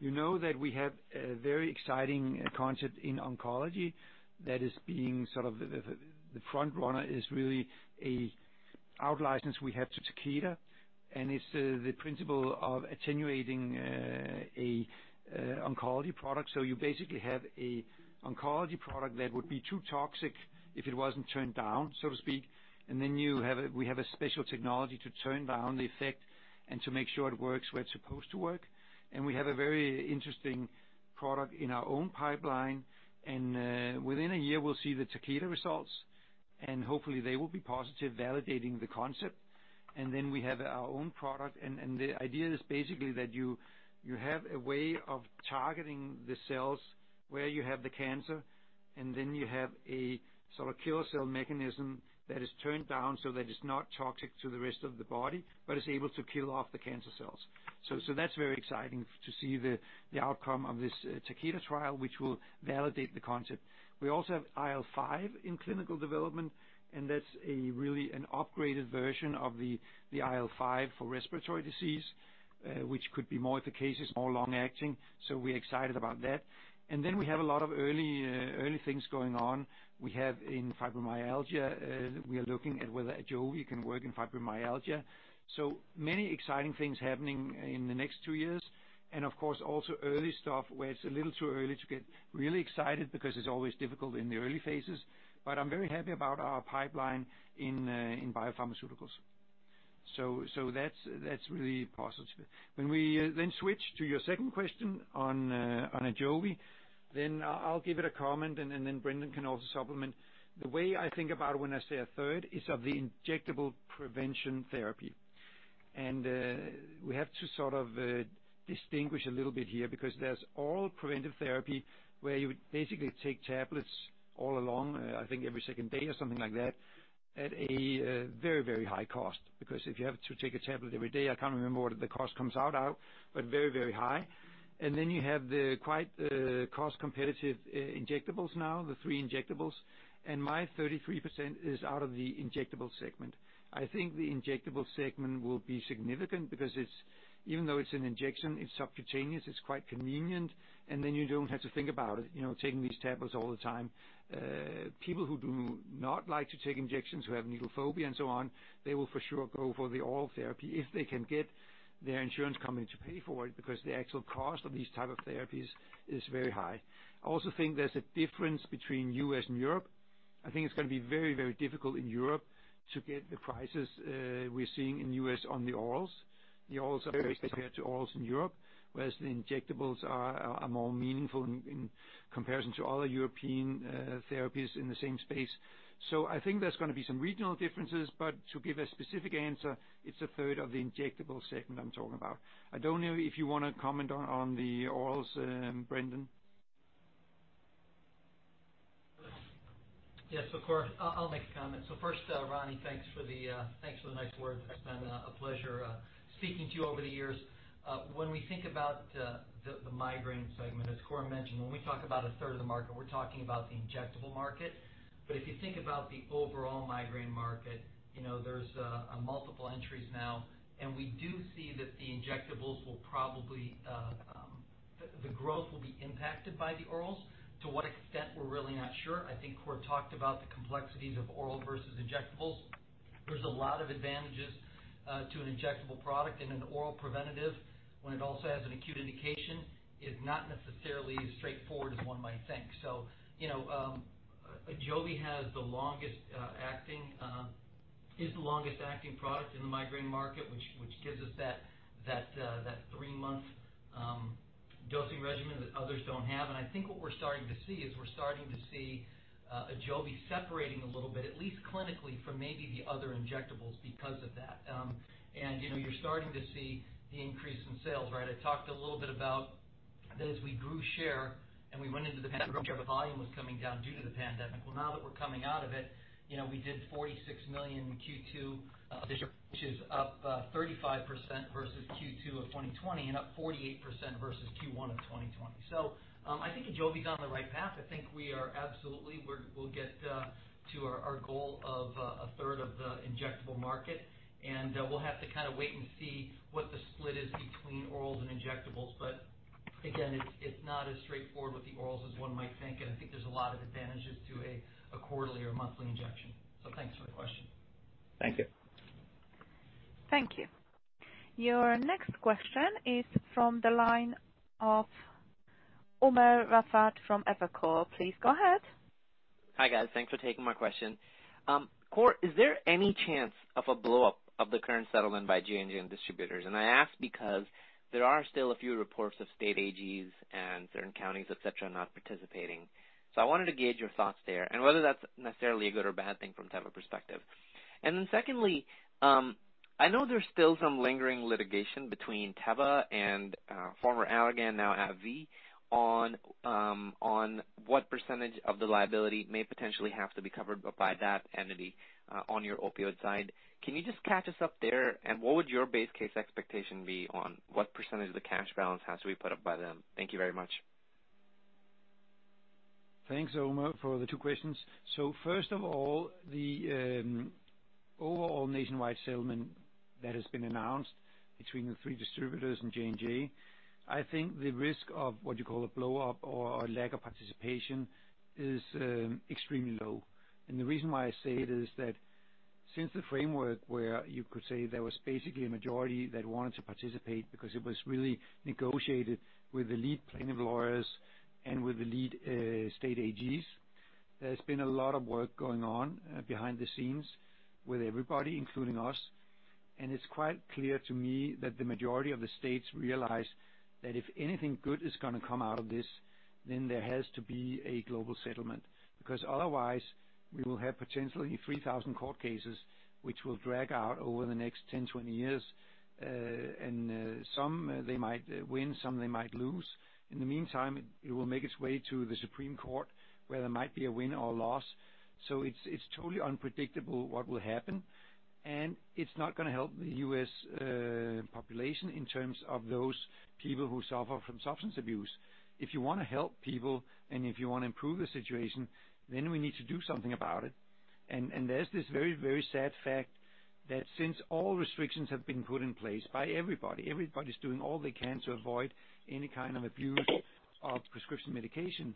S2: You know that we have a very exciting concept in oncology that is being sort of the front runner is really a out-license we have to Takeda. It's the principle of attenuating a oncology product. You basically have a oncology product that would be too toxic if it wasn't turned down, so to speak. We have a special technology to turn down the effect and to make sure it works where it's supposed to work. We have a very interesting product in our own pipeline, and within a year, we'll see the Takeda results, and hopefully they will be positive, validating the concept. We have our own product, and the idea is basically that you have a way of targeting the cells where you have the cancer, and then you have a sort of kill cell mechanism that is turned down so that it's not toxic to the rest of the body, but is able to kill off the cancer cells. That's very exciting to see the outcome of this Takeda trial, which will validate the concept. We also have IL-5 in clinical development, and that's a really an upgraded version of the IL-5 for respiratory disease, which could be more efficacious, more long-acting. We're excited about that. We have a lot of early things going on. We have in fibromyalgia, we are looking at whether AJOVY can work in fibromyalgia. Many exciting things happening in the next two years. Of course, also early stuff where it's a little too early to get really excited because it's always difficult in the early phases. I'm very happy about our pipeline in biopharmaceuticals. That's really positive. When we switch to your second question on AJOVY, I'll give it a comment and Brendan can also supplement. The way I think about it when I say a third is of the injectable prevention therapy. We have to sort of distinguish a little bit here because there's oral preventive therapy where you basically take tablets all along, I think every second day or something like that, at a very high cost. If you have to take a tablet every day, I can't remember what the cost comes out at, but very high. Then you have the quite cost-competitive injectables now, the three injectables. My 33% is out of the injectable segment. I think the injectable segment will be significant because even though it's an injection, it's subcutaneous, it's quite convenient, then you don't have to think about it, taking these tablets all the time. People who do not like to take injections, who have needle phobia and so on, they will for sure go for the oral therapy if they can get their insurance company to pay for it, because the actual cost of these type of therapies is very high. I also think there's a difference between U.S. and Europe. I think it's going to be very difficult in Europe to get the prices we're seeing in U.S. on the orals. The orals are very expensive compared to orals in Europe, whereas the injectables are more meaningful in comparison to other European therapies in the same space. I think there's going to be some regional differences, but to give a specific answer, it's a third of the injectable segment I'm talking about. I don't know if you want to comment on the orals, Brendan.
S8: Yes, of course. I'll make a comment. First, Ronny, thanks for the nice words. It's been a pleasure speaking to you over the years. When we think about the migraine segment, as Kåre mentioned, when we talk about a third of the market, we're talking about the injectable market. If you think about the overall migraine market, there's multiple entries now, and we do see that the injectables will be impacted by the orals. To what extent, we're really not sure. I think Kåre talked about the complexities of oral versus injectables. There's a lot of advantages to an injectable product and an oral preventative when it also has an acute indication, is not necessarily as straightforward as one might think. AJOVY is the longest acting product in the migraine market, which gives us that three-month dosing regimen that others don't have. I think what we're starting to see is we're starting to see AJOVY separating a little bit, at least clinically, from maybe the other injectables because of that. You're starting to see the increase in sales, right? I talked a little bit about that as we grew share and we went into the pandemic, share volume was coming down due to the pandemic. Now that we're coming out of it, we did $46 million in Q2, which is up 35% versus Q2 2020 and up 48% versus Q1 2020. I think AJOVY's on the right path. I think we are absolutely we'll get to our goal of a third of the injectable market, and we'll have to kind of wait and see what the split is between orals and injectables. Again, it's not as straightforward with the orals as one might think, and I think there's a lot of advantages to a quarterly or monthly injection. Thanks for the question.
S2: Thank you.
S4: Thank you. Your next question is from the line of Umer Raffat from Evercore. Please go ahead.
S11: Hi guys. Thanks for taking my question. Kåre, is there any chance of a blow-up of the current settlement by J&J and distributors? I ask because there are still a few reports of state AGs and certain counties, et cetera, not participating. I wanted to gauge your thoughts there and whether that's necessarily a good or bad thing from Teva perspective. Then secondly, I know there's still some lingering litigation between Teva and former Allergan, now AbbVie, on what percentage of the liability may potentially have to be covered by that entity, on your opioid side. Can you just catch us up there? What would your base case expectation be on what percentage of the cash balance has to be put up by them? Thank you very much.
S2: Thanks, Umer, for the two questions. First of all, the overall nationwide settlement that has been announced between the three distributors and J&J, I think the risk of what you call a blow-up or lack of participation is extremely low. The reason why I say it is that since the framework where you could say there was basically a majority that wanted to participate because it was really negotiated with the lead plaintiff lawyers and with the lead state AGs, there's been a lot of work going on behind the scenes with everybody, including us. It's quite clear to me that the majority of the states realize that if anything good is going to come out of this, then there has to be a global settlement, because otherwise we will have potentially 3,000 court cases which will drag out over the next 10, 20 years. Some they might win, some they might lose. In the meantime, it will make its way to the Supreme Court, where there might be a win or loss. It's totally unpredictable what will happen, and it's not going to help the U.S. population in terms of those people who suffer from substance abuse. If you want to help people and if you want to improve the situation, then we need to do something about it. There's this very, very sad fact that since all restrictions have been put in place by everybody's doing all they can to avoid any kind of abuse of prescription medication.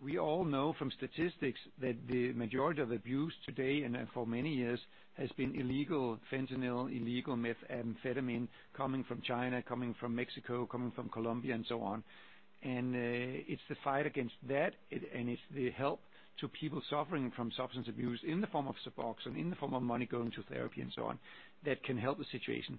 S2: We all know from statistics that the majority of abuse today and for many years has been illegal fentanyl, illegal methamphetamine, coming from China, coming from Mexico, coming from Colombia, and so on. It's the fight against that, and it's the help to people suffering from substance abuse in the form of Suboxone, in the form of money going to therapy and so on, that can help the situation.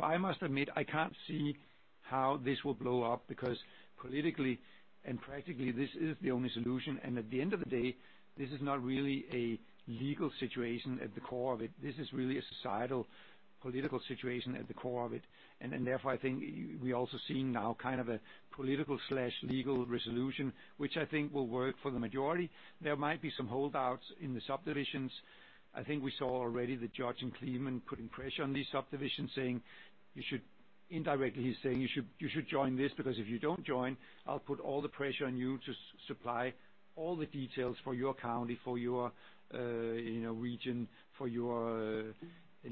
S2: I must admit, I can't see how this will blow up, because politically and practically, this is the only solution. At the end of the day, this is not really a legal situation at the core of it. This is really a societal, political situation at the core of it. Therefore, I think we're also seeing now kind of a political/legal resolution, which I think will work for the majority. There might be some holdouts in the subdivisions. I think we saw already the judge in Cleveland putting pressure on these subdivisions, saying, indirectly, he's saying, you should join this, because if you don't join, I'll put all the pressure on you to supply all the details for your county, for your region, for your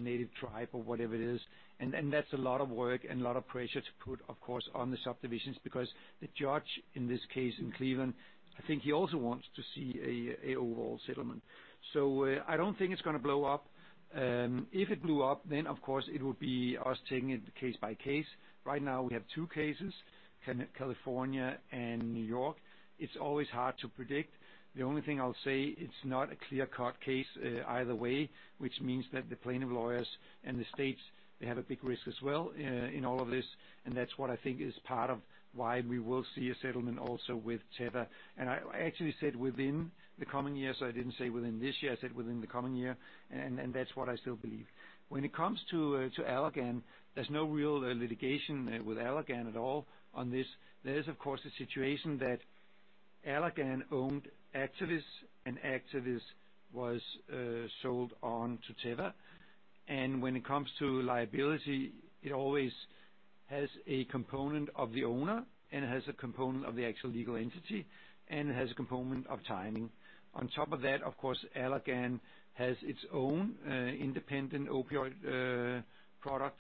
S2: native tribe, or whatever it is. That's a lot of work and a lot of pressure to put, of course, on the subdivisions, because the judge in this case in Cleveland, I think he also wants to see an overall settlement. I don't think it's going to blow up. If it blew up, then of course it would be us taking it case by case. Right now, we have two cases, California and New York. It's always hard to predict. The only thing I'll say, it's not a clear-cut case either way, which means that the plaintiff lawyers and the states, they have a big risk as well in all of this, and that's what I think is part of why we will see a settlement also with Teva. I actually said within the coming year, so I didn't say within this year, I said within the coming year, and that's what I still believe. When it comes to Allergan, there's no real litigation with Allergan at all on this. There is, of course, a situation that Allergan owned Actavis, and Actavis was sold on to Teva. When it comes to liability, it always has a component of the owner and it has a component of the actual legal entity, and it has a component of timing. On top of that, of course, Allergan has its own independent opioid product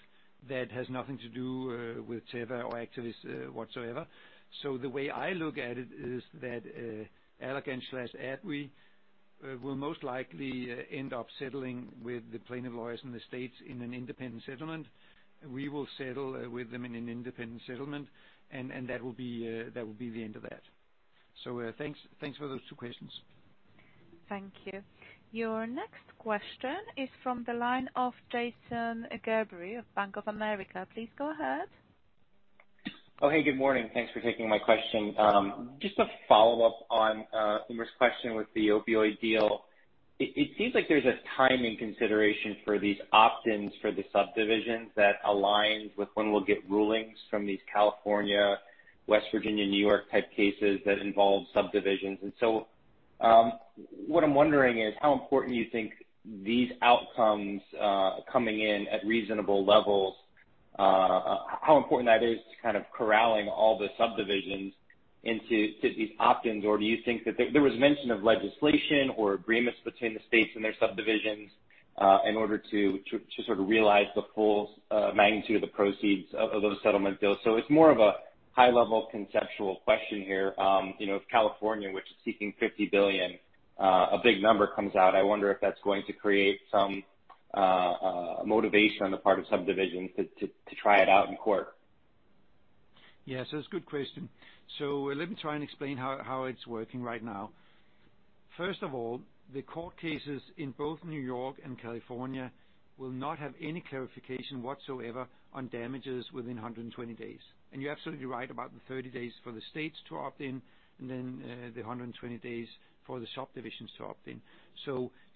S2: that has nothing to do with Teva or Actavis whatsoever. The way I look at it is that Allergan/AbbVie will most likely end up settling with the plaintiff lawyers in the States in an independent settlement. We will settle with them in an independent settlement, and that will be the end of that. Thanks for those two questions.
S4: Thank you. Your next question is from the line of Jason Gerberry of Bank of America. Please go ahead.
S12: Oh, hey, good morning. Thanks for taking my question. Just a follow-up on Umer's question with the opioid deal. It seems like there's a timing consideration for these opt-ins for the subdivisions that aligns with when we'll get rulings from these California, West Virginia, New York type cases that involve subdivisions. What I'm wondering is how important you think these outcomes coming in at reasonable levels, how important that is to kind of corralling all the subdivisions into these opt-ins? Do you think that there was mention of legislation or agreements between the states and their subdivisions, in order to sort of realize the full magnitude of the proceeds of those settlement deals. It's more of a high-level conceptual question here. If California, which is seeking $50 billion A big number comes out. I wonder if that's going to create some motivation on the part of subdivisions to try it out in court.
S2: Yes, that's a good question. Let me try and explain how it's working right now. First of all, the court cases in both New York and California will not have any clarification whatsoever on damages within 120 days. You're absolutely right about the 30 days for the states to opt in, and then the 120 days for the subdivisions to opt in.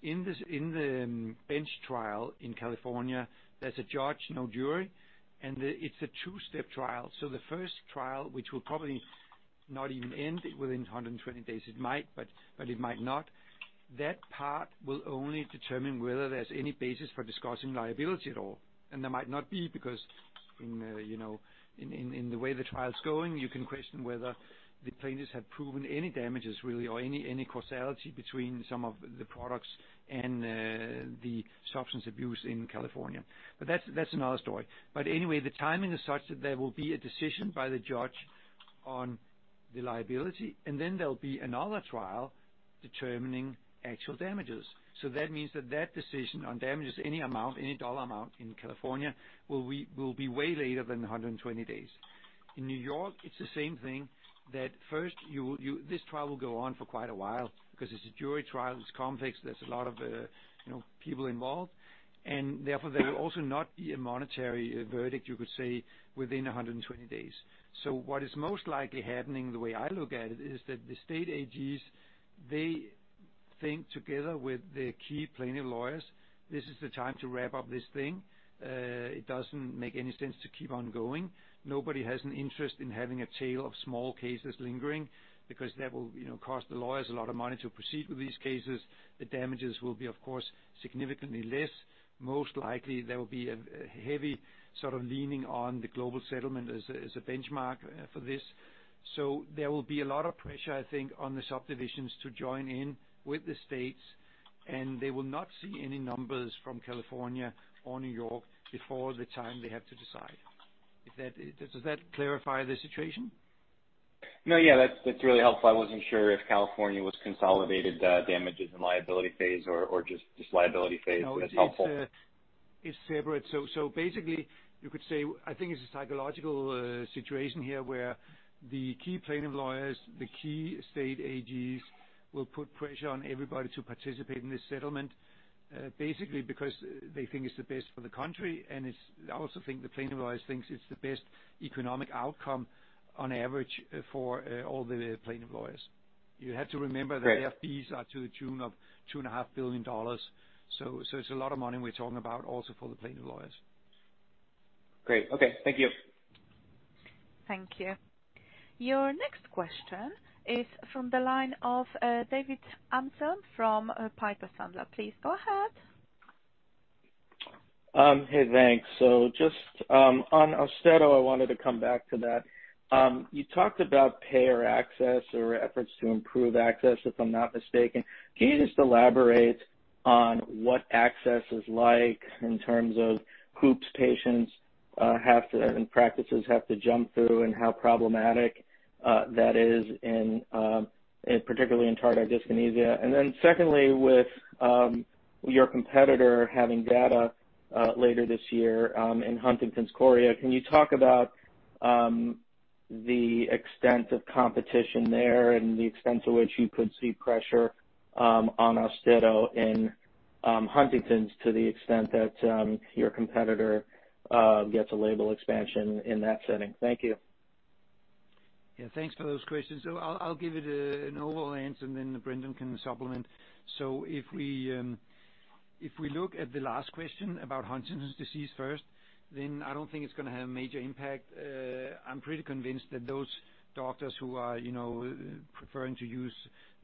S2: In the bench trial in California, there's a judge, no jury, and it's a two-step trial. The first trial, which will probably not even end within 120 days, it might, but it might not. That part will only determine whether there's any basis for discussing liability at all, and there might not be, because in the way the trial's going, you can question whether the plaintiffs have proven any damages really, or any causality between some of the products and the substance abuse in California. That's another story. The timing is such that there will be a decision by the judge on the liability, and then there'll be another trial determining actual damages. That means that decision on damages, any amount, any dollar amount in California, will be way later than 120 days. In New York, it's the same thing, that first, this trial will go on for quite a while because it's a jury trial, it's complex, there's a lot of people involved, and therefore there will also not be a monetary verdict, you could say, within 120 days. What is most likely happening, the way I look at it, is that the state AGs, they think together with the key plaintiff lawyers, this is the time to wrap up this thing. It doesn't make any sense to keep on going. Nobody has an interest in having a tail of small cases lingering because that will cost the lawyers a lot of money to proceed with these cases. The damages will be, of course, significantly less. Most likely, there will be a heavy sort of leaning on the global settlement as a benchmark for this. There will be a lot of pressure, I think, on the subdivisions to join in with the states, and they will not see any numbers from California or New York before the time they have to decide. Does that clarify the situation?
S12: No, yeah. That's really helpful. I wasn't sure if California was consolidated damages and liability phase or just liability phase. That's helpful.
S2: No, it's separate. Basically, you could say, I think it's a psychological situation here where the key plaintiff lawyers, the key state AGs will put pressure on everybody to participate in this settlement, basically because they think it's the best for the country. I also think the plaintiff lawyers think it's the best economic outcome on average for all the plaintiff lawyers. You have to remember...
S12: Great...
S2: That their fees are to the tune of $2.5 billion. It's a lot of money we're talking about also for the plaintiff lawyers.
S12: Great. Okay. Thank you.
S4: Thank you. Your next question is from the line of David Amsellem from Piper Sandler. Please go ahead.
S13: Hey, thanks. Just on Austedo, I wanted to come back to that. You talked about payer access or efforts to improve access, if I'm not mistaken. Can you just elaborate on what access is like in terms of hoops patients have to, and practices have to jump through and how problematic that is in, particularly in tardive dyskinesia. Then secondly, with your competitor having data later this year in Huntington's chorea, can you talk about the extent of competition there and the extent to which you could see pressure on Austedo in Huntington's to the extent that your competitor gets a label expansion in that setting? Thank you.
S2: Yeah, thanks for those questions. I'll give it an overall answer, and then Brendan can supplement. If we look at the last question about Huntington's disease first, then I don't think it's going to have a major impact. I'm pretty convinced that those doctors who are preferring to use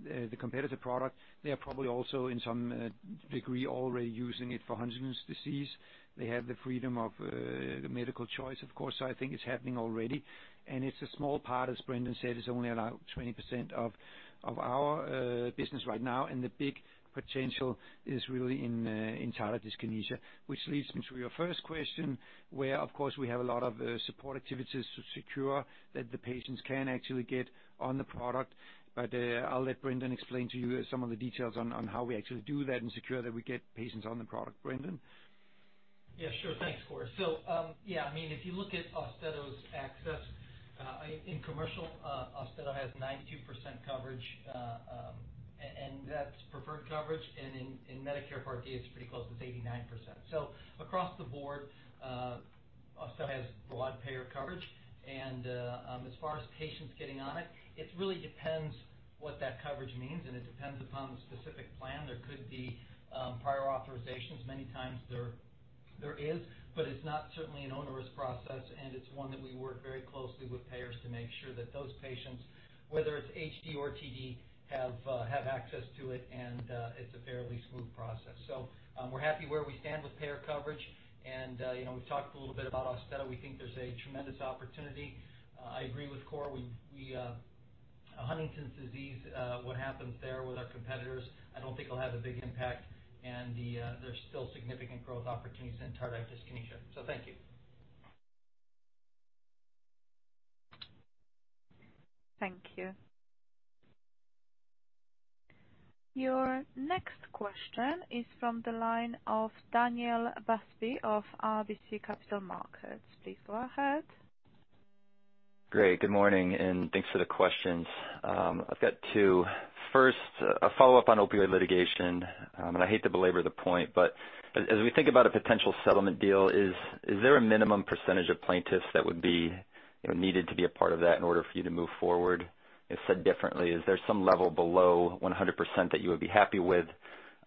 S2: the competitor product, they are probably also, in some degree, already using it for Huntington's disease. They have the freedom of the medical choice, of course. I think it's happening already, and it's a small part, as Brendan said, it's only around 20% of our business right now, and the big potential is really in tardive dyskinesia. Which leads me to your first question, where, of course, we have a lot of support activities to secure that the patients can actually get on the product. I'll let Brendan explain to you some of the details on how we actually do that and secure that we get patients on the product. Brendan?
S8: Yeah, sure. Thanks, Kåre. Yeah, if you look at Austedo's access in commercial, Austedo has 92% coverage, and that's preferred coverage. In Medicare Part D, it's pretty close, it's 89%. Across the board, Austedo has broad payer coverage and as far as patients getting on it really depends what that coverage means, and it depends upon the specific plan. There could be prior authorizations. Many times there is, but it's not certainly an onerous process, and it's one that we work very closely with payers to make sure that those patients, whether it's HD or TD, have access to it, and it's a fairly smooth process. We're happy where we stand with payer coverage, and we've talked a little bit about Austedo. We think there's a tremendous opportunity. I agree with Kåre. Huntington's disease, what happens there with our competitors, I don't think it'll have a big impact, and there's still significant growth opportunities in tardive dyskinesia. Thank you.
S4: Thank you. Your next question is from the line of Daniel Busby of RBC Capital Markets. Please go ahead.
S14: Great. Good morning, and thanks for the questions. I've got two. First, a follow-up on opioid litigation. I hate to belabor the point, but as we think about a potential settlement deal, is there a minimum percentage of plaintiffs that would be needed to be a part of that in order for you to move forward? Said differently, is there some level below 100% that you would be happy with,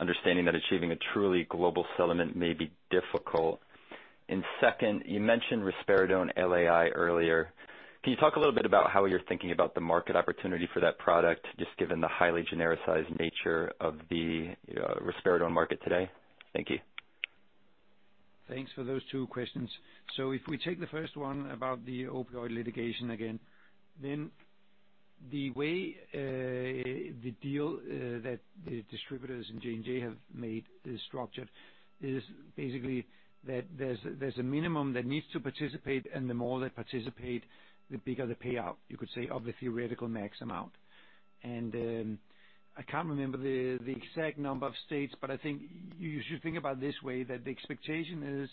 S14: understanding that achieving a truly global settlement may be difficult? Second, you mentioned risperidone LAI earlier. Can you talk a little bit about how you're thinking about the market opportunity for that product, just given the highly genericized nature of the risperidone market today? Thank you.
S2: Thanks for those two questions. If we take the first one about the opioid litigation again, then the way the deal that the distributors and J&J have made is structured is basically that there's a minimum that needs to participate, and the more that participate, the bigger the payout, you could say, of the theoretical max amount. I can't remember the exact number of states, but I think you should think about it this way, that the expectation is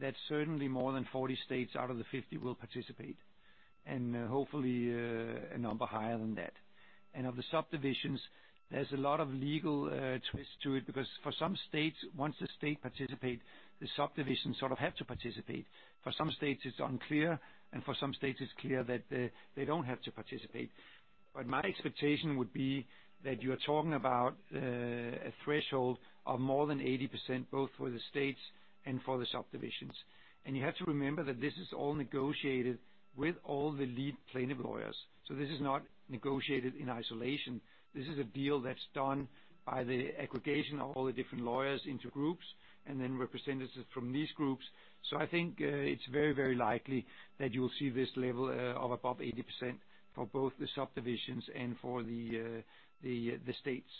S2: that certainly more than 40 states out of the 50 will participate, and hopefully a number higher than that. Of the subdivisions, there's a lot of legal twists to it, because for some states, once the state participate, the subdivisions sort of have to participate. For some states, it's unclear, and for some states, it's clear that they don't have to participate. My expectation would be that you are talking about a threshold of more than 80%, both for the states and for the subdivisions. You have to remember that this is all negotiated with all the lead plaintiff lawyers. This is not negotiated in isolation. This is a deal that's done by the aggregation of all the different lawyers into groups and then representatives from these groups. I think it's very likely that you will see this level of above 80% for both the subdivisions and for the states.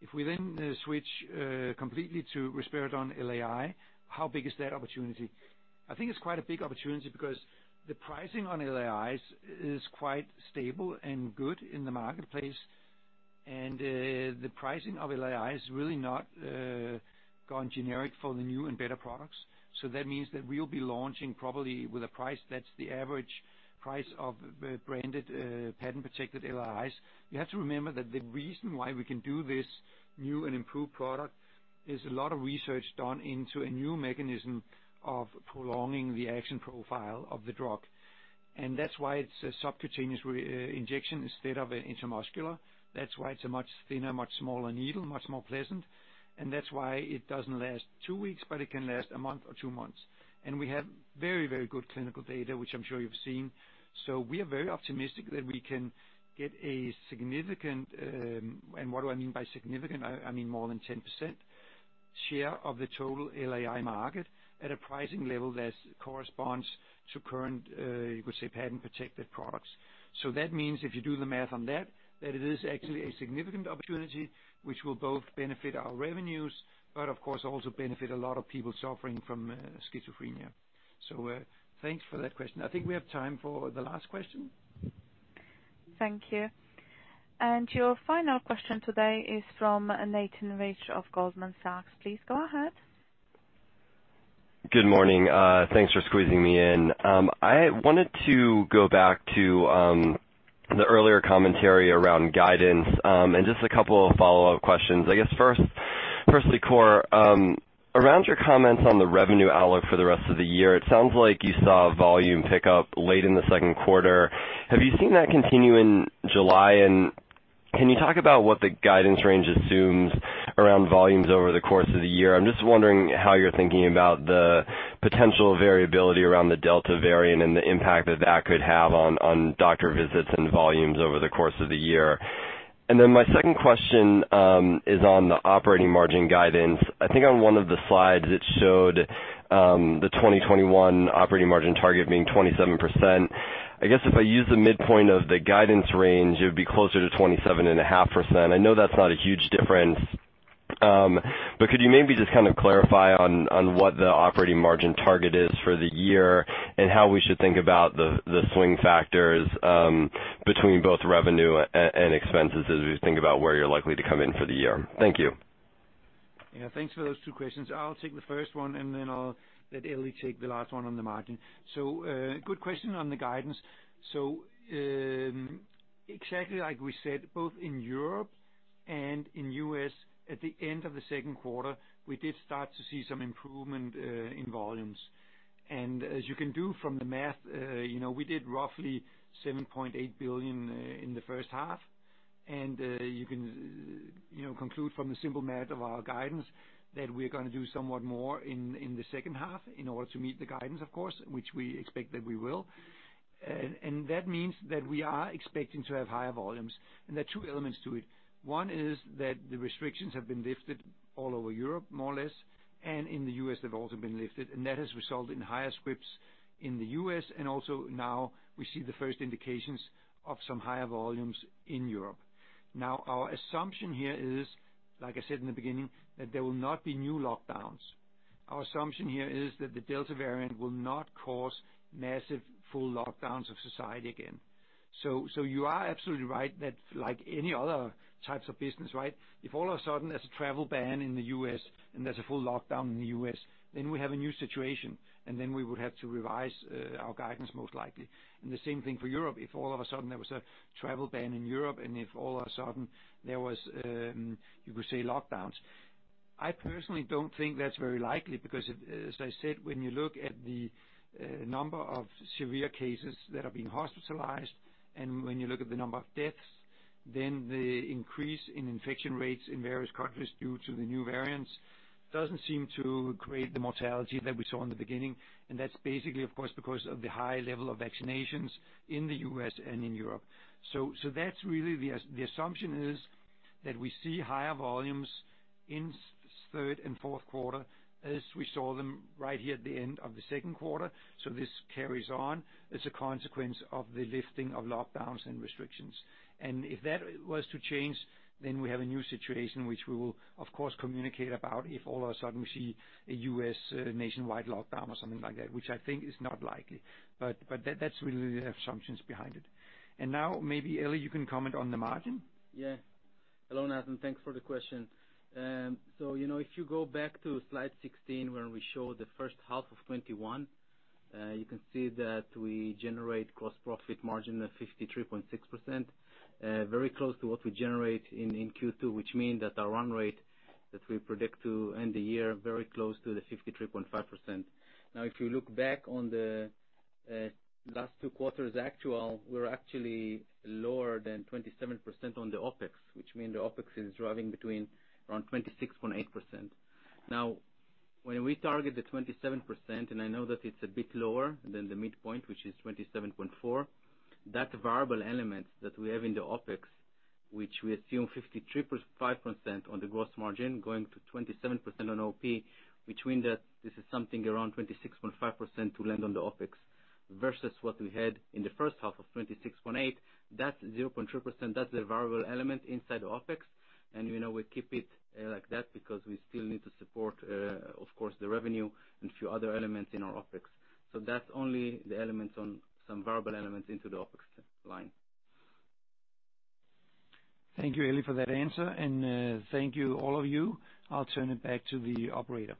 S2: If we switch completely to risperidone LAI, how big is that opportunity? I think it's quite a big opportunity because the pricing on LAIs is quite stable and good in the marketplace. The pricing of LAI is really not gone generic for the new and better products. That means that we'll be launching probably with a price that's the average price of branded, patent-protected LAIs. You have to remember that the reason why we can do this new and improved product is a lot of research done into a new mechanism of prolonging the action profile of the drug. That's why it's a subcutaneous injection instead of an intramuscular. That's why it's a much thinner, much smaller needle, much more pleasant, and that's why it doesn't last two weeks, but it can last a month or two months. We have very good clinical data, which I'm sure you've seen. We are very optimistic that we can get a significant. What do I mean by significant? I mean more than 10% share of the total LAI market at a pricing level that corresponds to current, you could say, patent-protected products. That means if you do the math on that it is actually a significant opportunity which will both benefit our revenues, but of course also benefit a lot of people suffering from schizophrenia. Thanks for that question. I think we have time for the last question.
S4: Thank you. Your final question today is from Nathan Rich of Goldman Sachs. Please go ahead.
S15: Good morning. Thanks for squeezing me in. I wanted to go back to the earlier commentary around guidance, and just a couple of follow-up questions. I guess firstly, Kåre, around your comments on the revenue outlook for the rest of the year, it sounds like you saw volume pick up late in the second quarter. Have you seen that continue in July, and can you talk about what the guidance range assumes around volumes over the course of the year? I'm just wondering how you're thinking about the potential variability around the Delta variant and the impact that that could have on doctor visits and volumes over the course of the year. My second question is on the operating margin guidance. I think on one of the slides, it showed the 2021 operating margin target being 27%. I guess if I use the midpoint of the guidance range, it would be closer to 27.5%. I know that's not a huge difference, but could you maybe just kind of clarify on what the operating margin target is for the year and how we should think about the swing factors between both revenue and expenses as we think about where you're likely to come in for the year? Thank you.
S2: Yeah, thanks for those two questions. I'll take the first one, and then I'll let Eli take the last one on the margin. Good question on the guidance. Exactly like we said, both in Europe and in U.S., at the end of the second quarter, we did start to see some improvement in volumes. As you can do from the math, we did roughly $7.8 billion in the first half, and you can conclude from the simple math of our guidance that we're going to do somewhat more in the second half in order to meet the guidance, of course, which we expect that we will. That means that we are expecting to have higher volumes. There are two elements to it. One is that the restrictions have been lifted all over Europe, more or less, and in the U.S. they've also been lifted, and that has resulted in higher scripts in the U.S., and also we see the first indications of some higher volumes in Europe. Our assumption here is, like I said in the beginning, that there will not be new lockdowns. Our assumption here is that the Delta variant will not cause massive full lockdowns of society again. You are absolutely right that like any other types of business, right? If all of a sudden there's a travel ban in the U.S. and there's a full lockdown in the U.S., then we have a new situation, and then we would have to revise our guidance most likely. The same thing for Europe. If all of a sudden there was a travel ban in Europe, if all of a sudden there was, you could say, lockdowns. I personally don't think that's very likely because, as I said, when you look at the number of severe cases that are being hospitalized, and when you look at the number of deaths, the increase in infection rates in various countries due to the new variants doesn't seem to create the mortality that we saw in the beginning. That's basically, of course, because of the high level of vaccinations in the U.S. and in Europe. That's really the assumption is that we see higher volumes in third and fourth quarter as we saw them right here at the end of the second quarter. This carries on as a consequence of the lifting of lockdowns and restrictions. If that was to change, then we have a new situation, which we will of course, communicate about if all of a sudden we see a U.S. nationwide lockdown or something like that, which I think is not likely. That's really the assumptions behind it. Now maybe, Eli, you can comment on the margin.
S3: Hello, Nathan. Thanks for the question. If you go back to slide 16 where we show the first half of 2021, you can see that we generate gross profit margin of 53.6%, very close to what we generate in Q2, which mean that our run rate that we predict to end the year very close to the 53.5%. If you look back on the last two quarters actual, we're actually lower than 27% on the OpEx, which mean the OpEx is driving between around 26.8%. When we target the 27%, and I know that it's a bit lower than the midpoint, which is 27.4%, that variable element that we have in the OpEx, which we assume 53.5% on the gross margin going to 27% on OP between that this is something around 26.5% to land on the OpEx versus what we had in the first half of 26.8%. That 0.3%, that's the variable element inside OpEx, and we keep it like that because we still need to support, of course, the revenue and few other elements in our OpEx. That's only the elements on some variable elements into the OpEx line.
S2: Thank you, Eli, for that answer, and thank you all of you. I'll turn it back to the operator.